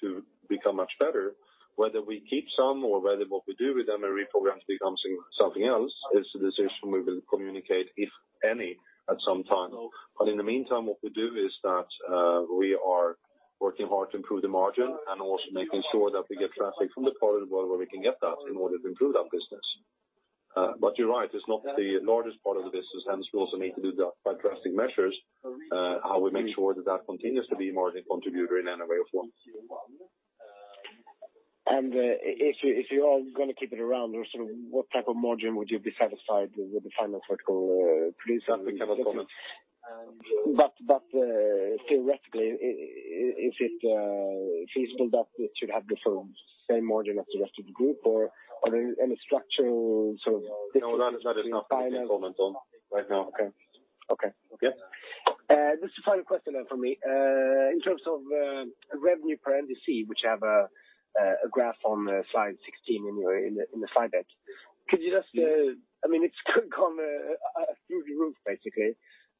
to become much better. Whether we keep some or whether what we do with them and reprogram to become something else is a decision we will communicate, if any, at some time. In the meantime, what we do is that we are working hard to improve the margin and also making sure that we get traffic from the part of the world where we can get that in order to improve that business. You're right, it's not the largest part of the business, and we also need to do drastic measures, how we make sure that that continues to be a margin contributor in any way or form. If you are going to keep it around or sort of what type of margin would you be satisfied with the finance vertical producing? That we cannot comment. Theoretically, is it feasible that it should have the same margin as the rest of the group, or are there any structural sort of differences in finance? No, that is nothing we can comment on right now. Okay. Just a final question then from me. In terms of revenue per NDC, which I have a graph on slide 16 in the slide deck. It's gone through the roof basically,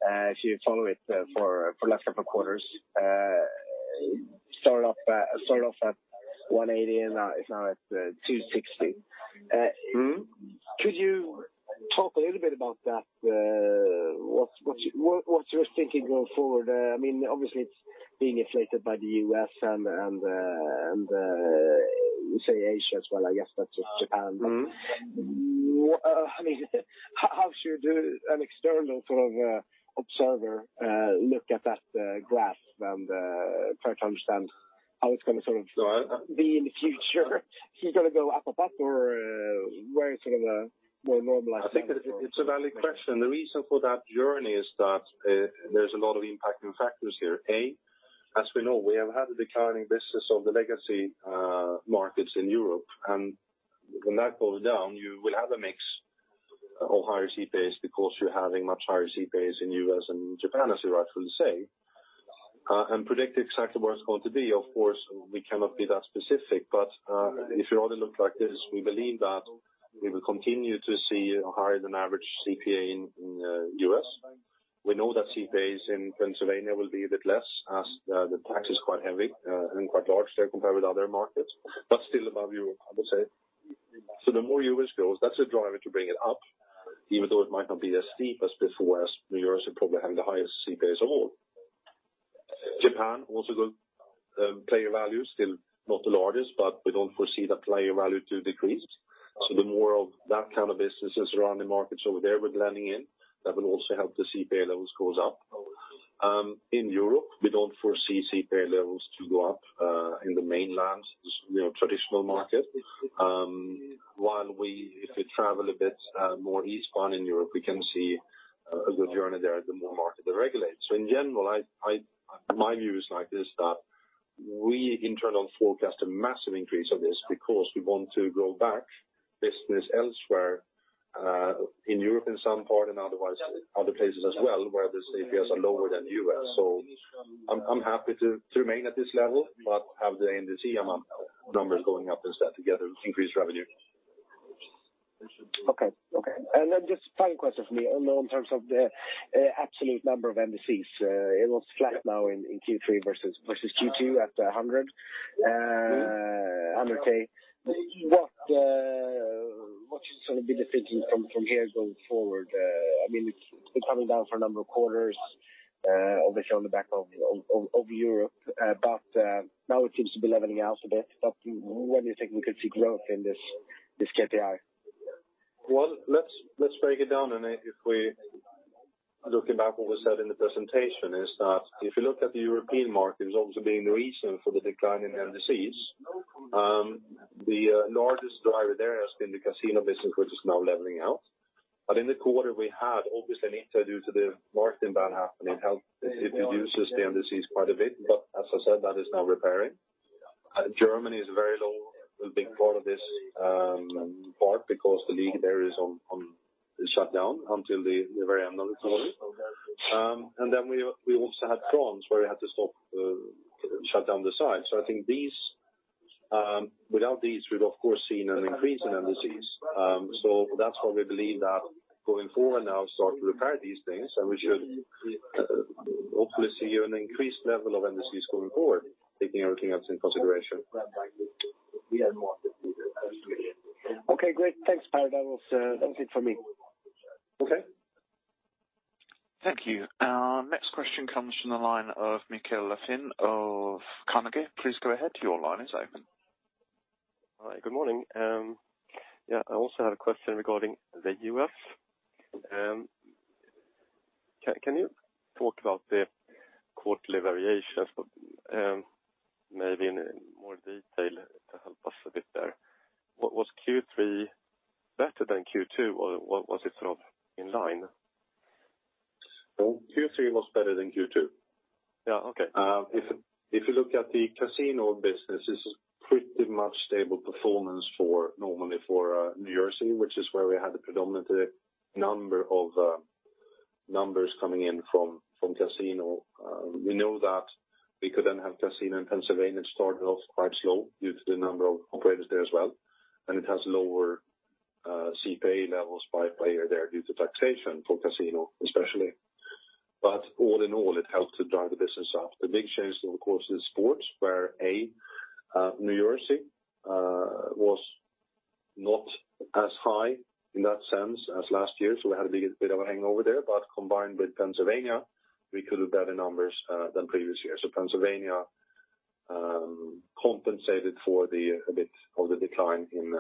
if you follow it for the last several quarters. Started off at 180 and it's now at 260. Could you talk a little bit about that? What's your thinking going forward? Obviously it's being inflated by the U.S. and you say Asia as well, I guess that's just Japan. How should an external sort of observer look at that graph and try to understand how it's going to sort of be in the future? Is it going to go up, up or where it's sort of a more normalized level? I think it's a valid question. The reason for that journey is that there's a lot of impacting factors here. A, as we know, we have had a declining business of the legacy markets in Europe, and when that goes down, you will have a mix of higher CPAs because you're having much higher CPAs in U.S. and Japan, as you rightfully say. Predict exactly where it's going to be, of course, we cannot be that specific. If you only look like this, we believe that we will continue to see a higher than average CPA in U.S. We know that CPAs in Pennsylvania will be a bit less as the tax is quite heavy and quite large there compared with other markets, but still above Europe, I would say. The more U.S. goes, that's a driver to bring it up, even though it might not be as steep as before as the U.S. will probably have the highest CPAs of all. Japan also the player value is still not the largest, but we don't foresee that player value to decrease. The more of that kind of businesses surrounding markets over there we're landing in, that will also help the CPA levels goes up. In Europe, we don't foresee CPA levels to go up in the mainland, traditional market. While we, if we travel a bit more eastbound in Europe, we can see a good journey there as more market deregulates. In general, my view is like this that we internal forecast a massive increase of this because we want to grow back business elsewhere, in Europe in some part, and otherwise other places as well, where the CPAs are lower than U.S. I'm happy to remain at this level, but have the NDC amount numbers going up and stuff together increase revenue. Okay. Just final question from me on terms of the absolute number of NDCs. It was flat now in Q3 versus Q2 at 100. What should sort of be the thinking from here going forward? It's been coming down for a number of quarters, obviously on the back of Europe, now it seems to be leveling out a bit. When do you think we could see growth in this KPI? Well, let's break it down. If we look back what was said in the presentation is that, if you look at the European market as also being the reason for the decline in NDCs, the largest driver there has been the casino business, which is now leveling out. In the quarter we had obviously an intro due to the marketing ban happening helped it reduces the NDCs quite a bit. As I said, that is now repairing. Germany is very low, a big part of this, part because the league there is on shutdown until the very end of the quarter. We also had France where we had to stop, shut down the site. I think without these, we'd of course seen an increase in NDCs. That's why we believe that going forward now start to repair these things and we should hopefully see an increased level of NDCs going forward, taking everything else into consideration. Okay, great. Thanks, Per. That was it for me. Okay. Thank you. Next question comes from the line of Mikael Laséen of Carnegie. Please go ahead. Your line is open. Hi, good morning. I also had a question regarding the U.S. Can you talk about the quarterly variations, maybe in more detail to help us a bit there? Was Q3 better than Q2, or was it sort of in line? No, Q3 was better than Q2. Yeah. Okay. If you look at the casino business, this is pretty much stable performance normally for New Jersey, which is where we had the predominant numbers coming in from casino. We know that we could have casino in Pennsylvania started off quite slow due to the number of operators there as well, and it has lower CPA levels by player there due to taxation for casino especially. All in all, it helped to drive the business up. The big change, of course, is sports where New Jersey was not as high in that sense as last year, so we had a big bit of a hangover there. Combined with Pennsylvania, we could do better numbers than previous years. Pennsylvania compensated for a bit of the decline in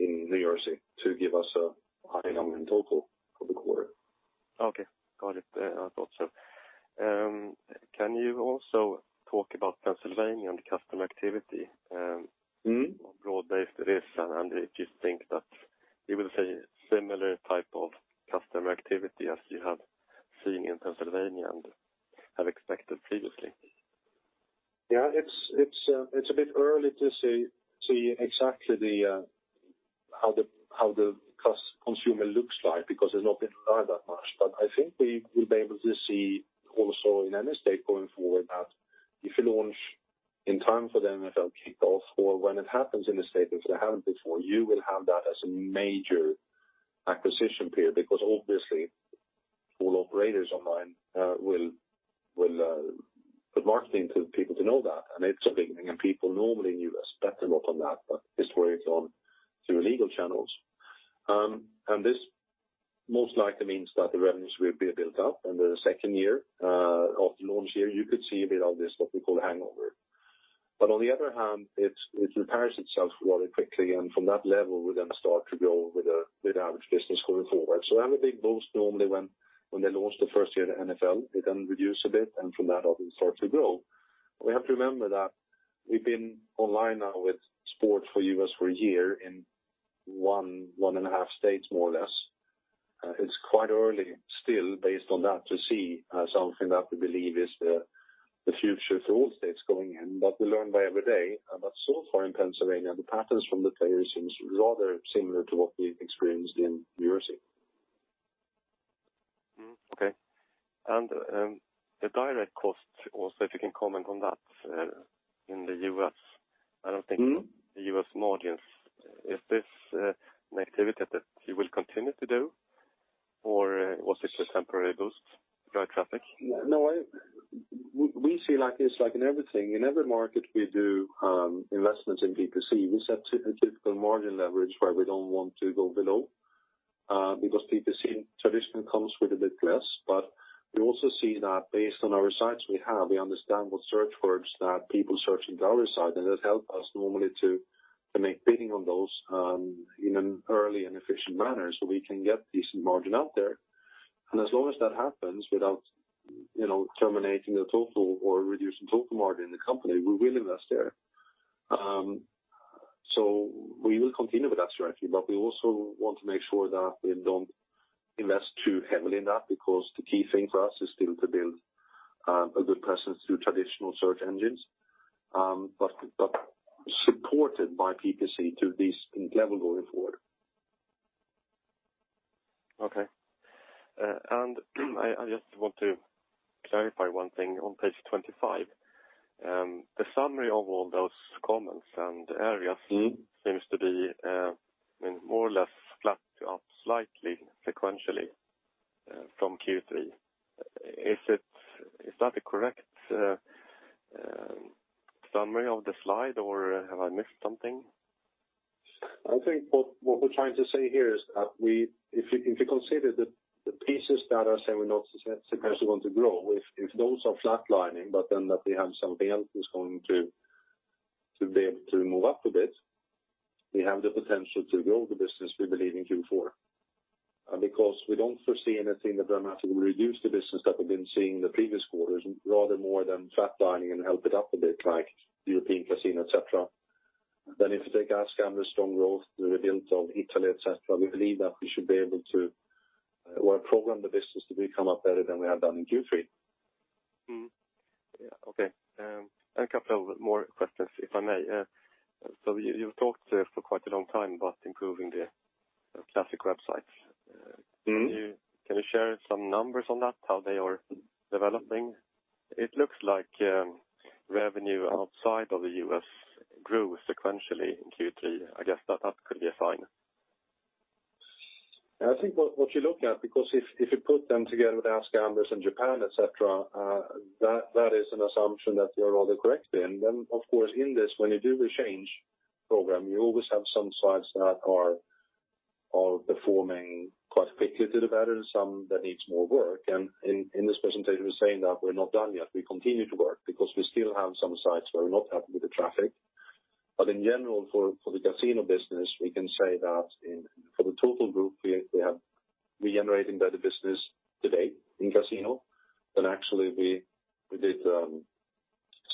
New Jersey to give us a high number in total for the quarter. Okay, got it. I thought so. Can you also talk about Pennsylvania and customer activity? On broad base it is, and if you think that you will see similar type of customer activity as you have seen in Pennsylvania and have expected previously. Yeah, it's a bit early to see exactly how the consumer looks like because there's not been live that much. I think we will be able to see also in any state going forward that if you launch in time for the NFL kickoff or when it happens in the state, if they haven't before, you will have that as a major acquisition period because obviously all operators online will put marketing to people to know that, and it's a big thing and people normally in U.S. bet a lot on that, but this way it's on through legal channels. This most likely means that the revenues will be built up under the second year. Of the launch year, you could see a bit of this what we call hangover. On the other hand, it repairs itself rather quickly. From that level, we start to grow with the average business going forward. Have a big boost normally when they launch the first year, the NFL, they reduce a bit, from that on we start to grow. We have to remember that we've been online now with sports for U.S. for a year in one and a half states, more or less. It's quite early still based on that to see something that we believe is the future for all states going in. We learn by every day. So far in Pennsylvania, the patterns from the players seems rather similar to what we've experienced in New Jersey. Okay. The direct costs also, if you can comment on that in the U.S. I don't think the U.S. margins, is this an activity that you will continue to do or was it just temporary boost direct traffic? We see like it's like in everything. In every market we do investments in PPC. We set a typical margin leverage where we don't want to go below, because PPC traditionally comes with a bit less. We also see that based on our sites we have, we understand what search words that people search into our site, and that help us normally to make bidding on those in an early and efficient manner so we can get decent margin out there. As long as that happens without terminating the total or reducing total margin in the company, we will invest there. We will continue with that strategy, but we also want to make sure that we don't invest too heavily in that, because the key thing for us is still to build a good presence through traditional search engines, but supported by PPC to this level going forward. Okay. I just want to clarify one thing. On page 25, the summary of all those comments and areas seems to be more or less flat to up slightly sequentially from Q3. Is that the correct summary of the slide, or have I missed something? I think what we're trying to say here is that if you consider the pieces that are saying we're not necessarily going to grow, if those are flatlining, that we have something else that's going to be able to move up a bit, we have the potential to grow the business we believe in Q4. We don't foresee anything that dramatically reduce the business that we've been seeing in the previous quarters, rather more than flatlining and help it up a bit like European casino, et cetera. If you take AskGamblers' strong growth, the rebuild of Italy, et cetera, we believe that we should be able to, well, program the business to become up better than we have done in Q3. Yeah. Okay. A couple of more questions, if I may. You've talked for quite a long time about improving the classic websites. Can you share some numbers on that, how they are developing? It looks like revenue outside of the U.S. grew sequentially in Q3. I guess that could be a fine. I think what you look at, because if you put them together with AskGamblers in Japan, et cetera, that is an assumption that you are rather correct in. Of course in this, when you do the change program, you always have some sites that are performing quite effectively better than some that needs more work. In this presentation, we're saying that we're not done yet. We continue to work because we still have some sites where we're not happy with the traffic. In general, for the casino business, we can say that for the total group, we are generating better business today in casino than actually we did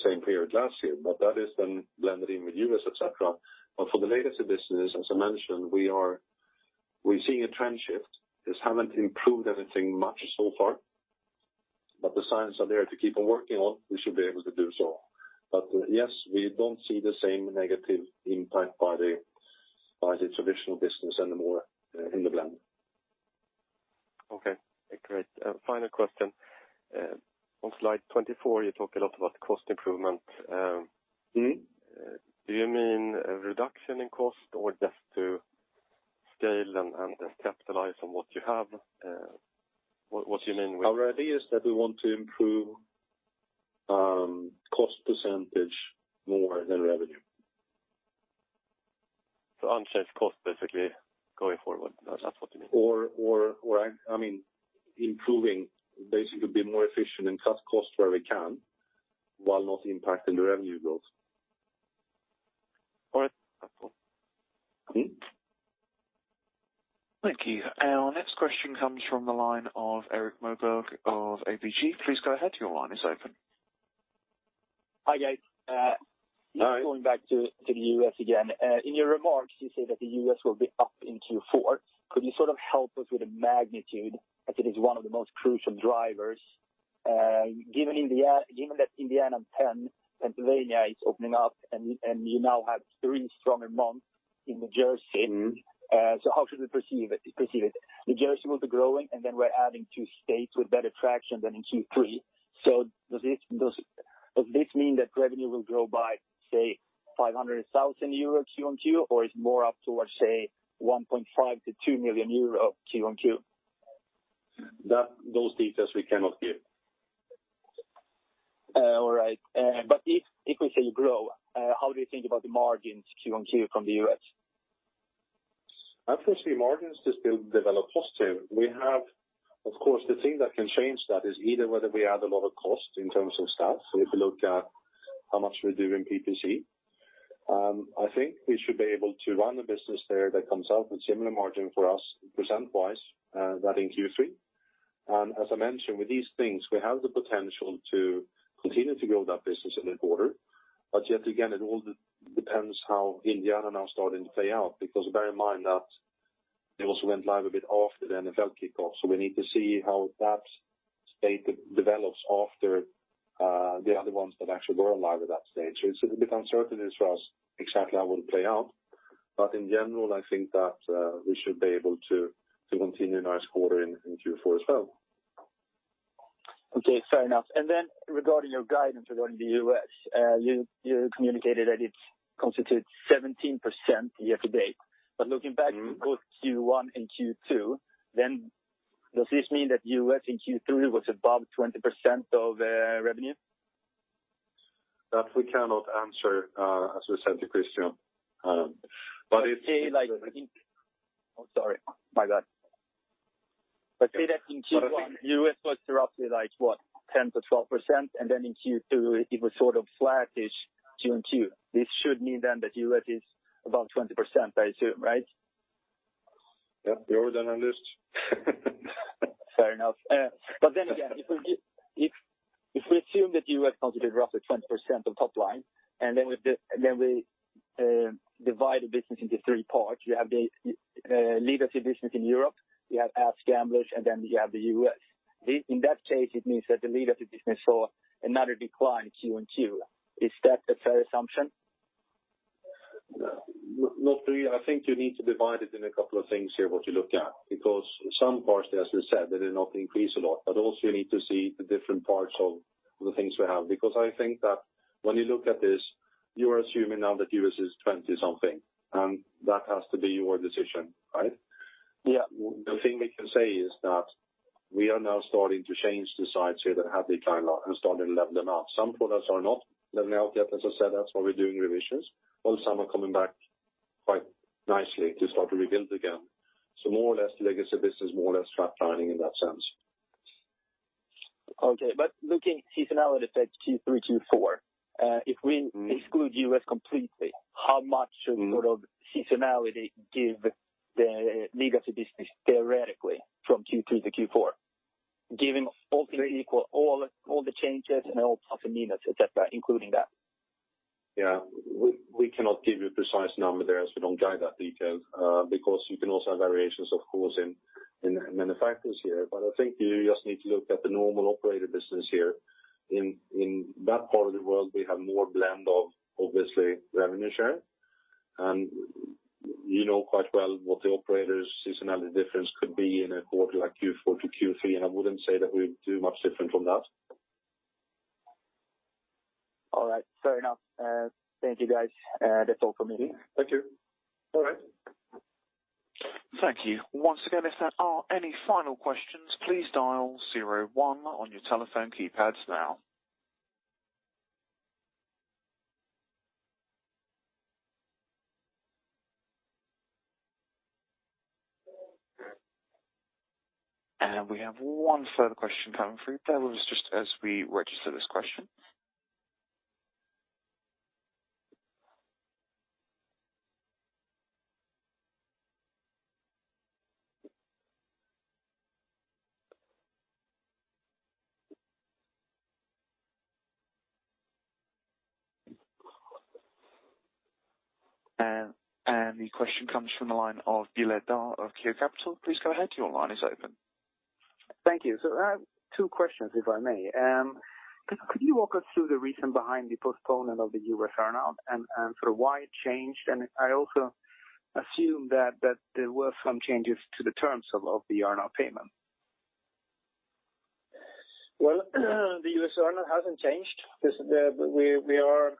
same period last year. That is then blended in with U.S., et cetera. For the legacy business, as I mentioned, we're seeing a trend shift. This haven't improved anything much so far, but the signs are there to keep on working on, we should be able to do so. Yes, we don't see the same negative impact by the traditional business anymore in the blend. Okay. Great. Final question. On slide 24, you talk a lot about cost improvement. Do you mean a reduction in cost or just to scale and capitalize on what you have? Our idea is that we want to improve cost percentage more than revenue. Unsafe cost basically going forward? That's what you mean? Improving, basically be more efficient and cut costs where we can while not impacting the revenue goals. All right. Cool. Thank you. Our next question comes from the line of Erik Moberg of ABG. Please go ahead. Your line is open. Hi, guys. Hi. Just going back to the U.S. again. In your remarks, you say that the U.S. will be up in Q4. Could you sort of help us with the magnitude as it is one of the most crucial drivers? Given that Indiana, Pennsylvania is opening up, and you now have three stronger months in New Jersey. How should we perceive it? New Jersey will be growing, and then we're adding two states with better traction than in Q3. Does this mean that revenue will grow by, say, 500,000 euro Q-on-Q, or is more up towards, say, 1.5 million-2 million euro Q-on-Q? Those details we cannot give. All right. If we say you grow, how do you think about the margins Q-on-Q from the U.S.? I foresee margins just build, develop positive. The thing that can change that is either whether we add a lot of cost in terms of staff. If you look at how much we do in PPC, I think we should be able to run the business there that comes out with similar margin for us percent-wise that in Q3. As I mentioned, with these things, we have the potential to continue to build that business in the quarter. Yet again, it all depends how Indiana now starting to play out, because bear in mind that they also went live a bit after the NFL kickoff. We need to see how that state develops after the other ones that actually go live at that stage. It's a bit uncertain as for us exactly how it will play out. In general, I think that we should be able to continue a nice quarter in Q4 as well. Okay, fair enough. Regarding your guidance regarding the U.S., you communicated that it constitutes 17% year to date. Both Q1 and Q2, does this mean that U.S. in Q3 was above 20% of revenue? That we cannot answer, as we said to Christian. Okay, Oh, sorry. My bad. Say that in Q1, U.S. was roughly like, what, 10%-12%, and then in Q2 it was sort of flattish Q and Q. This should mean then that U.S. is above 20%, I assume, right? Yeah, you're done on this. Fair enough. If we assume that U.S. contributed roughly 20% of top line, and then we divide the business into three parts. You have the legacy business in Europe, you have AskGamblers, and then you have the U.S. In that case, it means that the legacy business saw another decline Q&Q. Is that a fair assumption? Not really. I think you need to divide it in a couple of things here, what you look at, because some parts, as we said, they did not increase a lot. Also you need to see the different parts of the things we have. I think that when you look at this, you are assuming now that U.S. is 20 something, and that has to be your decision, right? Yeah. The thing we can say is that we are now starting to change the sites here that have declined a lot and starting to level them out. Some products are not leveling out yet. As I said, that's why we're doing revisions, while some are coming back quite nicely to start to rebuild again. More or less, legacy business is more or less flatlining in that sense. Okay. Looking seasonality said Q3, Q4, if we exclude U.S. completely, how much sort of seasonality give the legacy business theoretically from Q3-Q4, given all things equal, all the changes and all plus and minus, et cetera, including that. Yeah. We cannot give you a precise number there as we don't dive that detail, because you can also have variations, of course, in manufacturers here. I think you just need to look at the normal operator business here. In that part of the world, we have more blend of obviously revenue share, and you know quite well what the operators seasonality difference could be in a quarter like Q4-Q3, and I wouldn't say that we're too much different from that. All right. Fair enough. Thank you, guys. That's all from me. Thank you. All right. Thank you. Once again, if there are any final questions, please dial zero one on your telephone keypads now. We have one further question coming through. Bear with us just as we register this question. The question comes from the line of [inaudible] of Kia Capital. Please go ahead. Your line is open. Thank you. I have two questions, if I may. Could you walk us through the reason behind the postponement of the U.S. earn-out and sort of why it changed? I also assume that there were some changes to the terms of the earn-out payment. Well, the U.S. earn-out hasn't changed. We are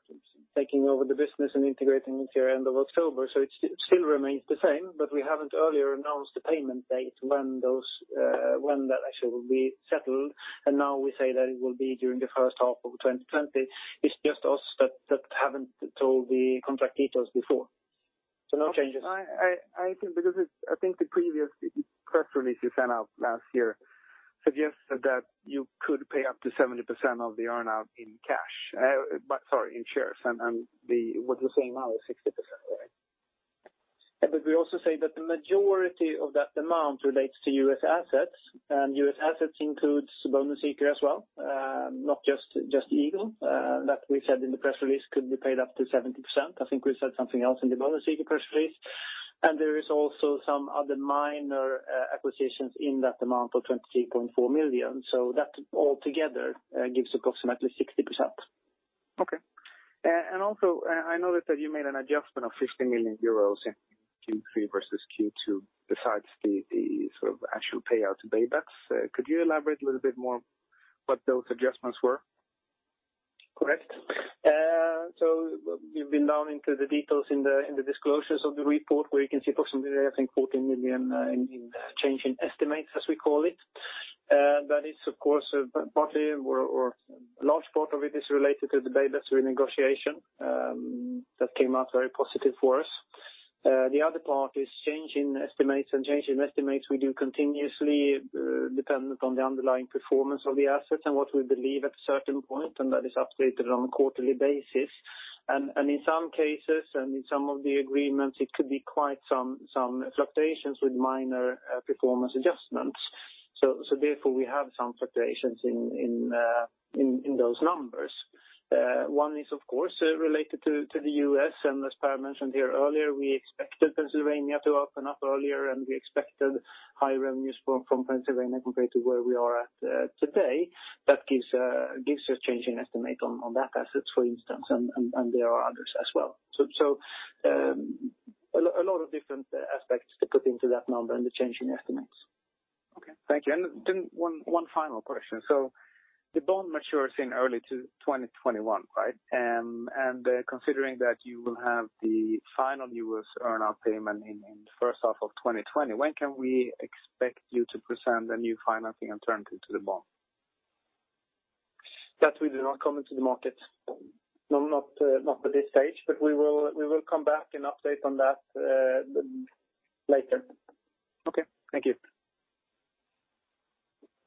taking over the business and integrating it here end of October, it still remains the same. We haven't earlier announced the payment date when that actually will be settled, now we say that it will be during the first half of 2020. It's just us that haven't told the contract parties before. No changes. I think the previous press release you sent out last year suggested that you could pay up to 70% of the earn-out in cash, but sorry, in shares. What you're saying now is 60%, right? Yeah, we also say that the majority of that amount relates to U.S. assets, and U.S. assets includes BonusSeeker as well, not just Legal. That we said in the press release could be paid up to 70%. I think we said something else in the BonusSeeker press release. There is also some other minor acquisitions in that amount of 23.4 million. That all together gives approximately 60%. Okay. Also, I noticed that you made an adjustment of 50 million euros in Q3 versus Q2 besides the sort of actual payout to BayBets. Could you elaborate a little bit more what those adjustments were? Correct. We've been down into the details in the disclosures of the report where you can see approximately, I think, 14 million in change in estimates, as we call it. That is, of course, partly or large part of it is related to the BayBets renegotiation that came out very positive for us. The other part is change in estimates, and change in estimates we do continuously dependent on the underlying performance of the assets and what we believe at a certain point, and that is updated on a quarterly basis. In some cases and in some of the agreements, it could be quite some fluctuations with minor performance adjustments. Therefore, we have some fluctuations in those numbers. One is, of course, related to the U.S. As Per mentioned here earlier, we expected Pennsylvania to open up earlier, and we expected high revenues from Pennsylvania compared to where we are at today. That gives a change in estimate on that asset, for instance, and there are others as well. A lot of different aspects to put into that number and the change in estimates. Okay. Thank you. One final question. The bond matures in early 2021, right? Considering that you will have the final U.S. earn-out payment in first half of 2020, when can we expect you to present a new financing alternative to the bond? That we do not comment to the market. No, not at this stage, but we will come back and update on that later. Okay. Thank you.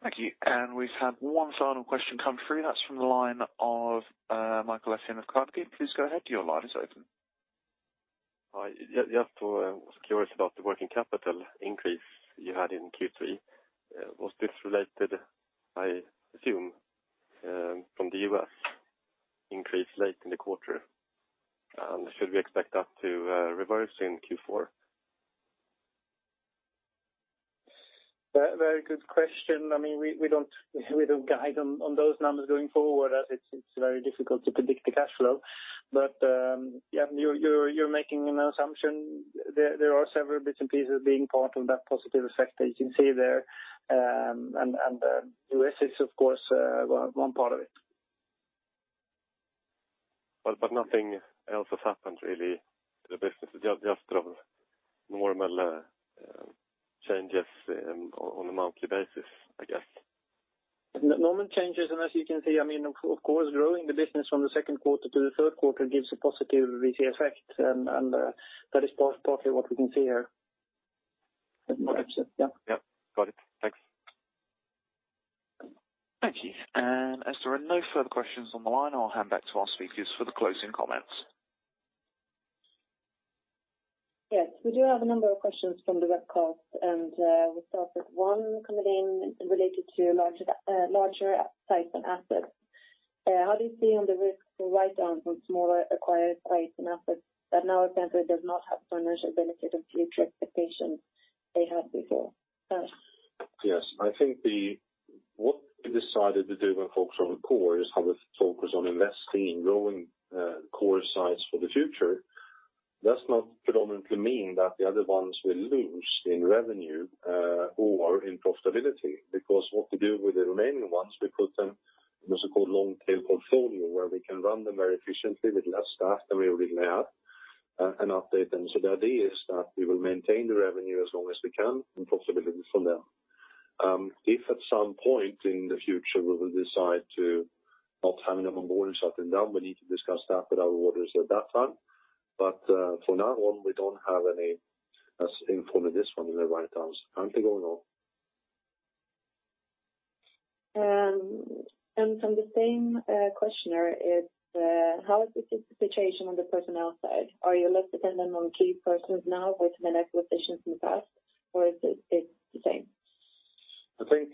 Thank you. We've had one final question come through. That's from the line of Mikael Laséen of Carnegie. Please go ahead. Your line is open. Hi. Just was curious about the working capital increase you had in Q3. Was this related, I assume, from the U.S. increase late in the quarter? Should we expect that to reverse in Q4? Very good question. We don't guide on those numbers going forward, as it's very difficult to predict the cash flow. You're making an assumption. There are several bits and pieces being part of that positive effect that you can see there, and the U.S. is, of course, one part of it. Nothing else has happened, really, to the business. Just normal changes on a monthly basis, I guess. Normal changes, as you can see, of course, growing the business from the second quarter to the third quarter gives a positive [inaudible] effect. That is partly what we can see here. Got it. Thanks. Thank you. As there are no further questions on the line, I'll hand back to our speakers for the closing comments. Yes, we do have a number of questions from the webcast, and we'll start with one coming in related to larger sites and assets. How do you see on the risk write-down from smaller acquired sites and assets that now essentially does not have financial benefit and future expectations they had before? Per. I think what we decided to do when folks are on the core is have a focus on investing in growing core sites for the future. That's not predominantly mean that the other ones will lose in revenue or in profitability, because what we do with the remaining ones, we put them in what's called long tail portfolio, where we can run them very efficiently with less staff than we originally had and update them. The idea is that we will maintain the revenue as long as we can and profitability from them. If at some point in the future, we will decide to not have them on board and shut them down, we need to discuss that with our auditors at that time. For now on, we don't have any, as in form of this one, in the right terms currently going on. From the same questioner is, how is the situation on the personnel side? Are you less dependent on key persons now with the acquisitions in the past, or is it the same? I think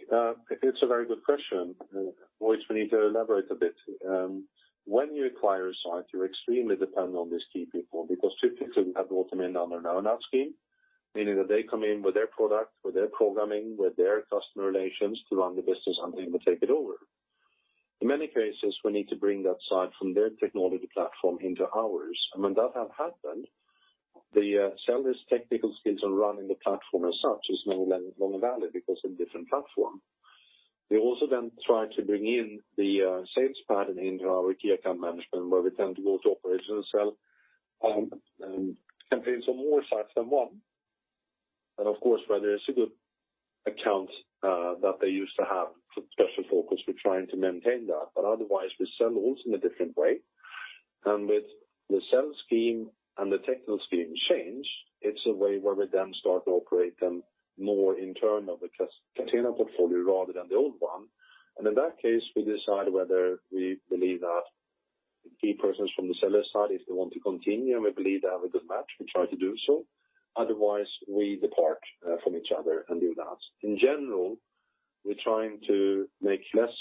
it's a very good question. Always we need to elaborate a bit. When you acquire a site, you're extremely dependent on these key people, because typically we have brought them in on an earn-out scheme, meaning that they come in with their product, with their programming, with their customer relations to run the business and we take it over. In many cases, we need to bring that site from their technology platform into ours. When that has happened, the seller's technical skills on running the platform as such is no longer valid because of different platform. We also then try to bring in the sales pattern into our key account management, where we tend to go to operations as well, and sometimes on more sites than one. Of course, where there is a good account that they used to have special focus, we're trying to maintain that. Otherwise, we sell also in a different way. With the sales scheme and the technical scheme change, it's a way where we then start to operate them more in terms of a content portfolio rather than the old one. In that case, we decide whether we believe that the key persons from the seller side, if they want to continue, and we believe they have a good match, we try to do so. Otherwise, we depart from each other and do that. In general, we're trying to make less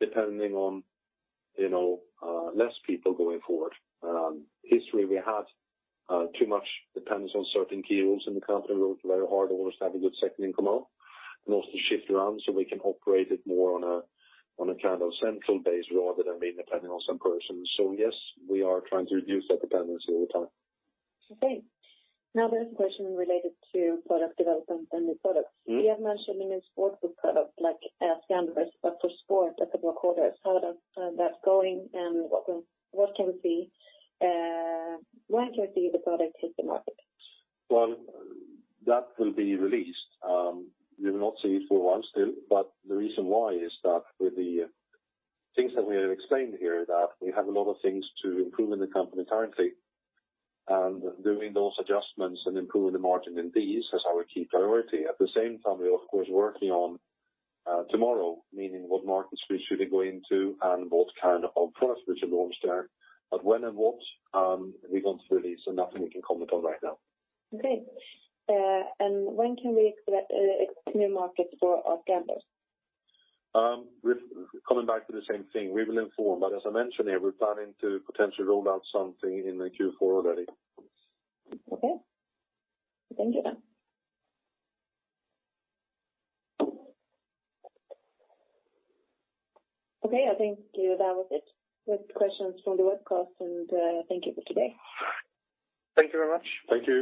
depending on less people going forward. History, we had too much dependence on certain key roles in the company. Worked very hard always to have a good second in command, and also shift around so we can operate it more on a central base rather than being dependent on some persons. Yes, we are trying to reduce that dependency over time. Okay. Now there is a question related to product development and new products. You have mentioned many sports book products like SkandiBet, but for sport a couple of quarters, how does that going and when can the product hit the market? Well, that will be released. You will not see it for a while still, but the reason why is that with the things that we have explained here, that we have a lot of things to improve in the company currently, and doing those adjustments and improving the margin in these is our key priority. At the same time, we are of course working on tomorrow, meaning what market space should we go into and what kind of product we should launch there. When and what, we won't release, so nothing we can comment on right now. Okay. When can we expect new markets for SkandiBet? Coming back to the same thing, we will inform. As I mentioned, we're planning to potentially roll out something in the Q4 already. Okay. Thank you. Okay, I think that was it with questions from the webcast, and thank you for today. Thank you very much. Thank you.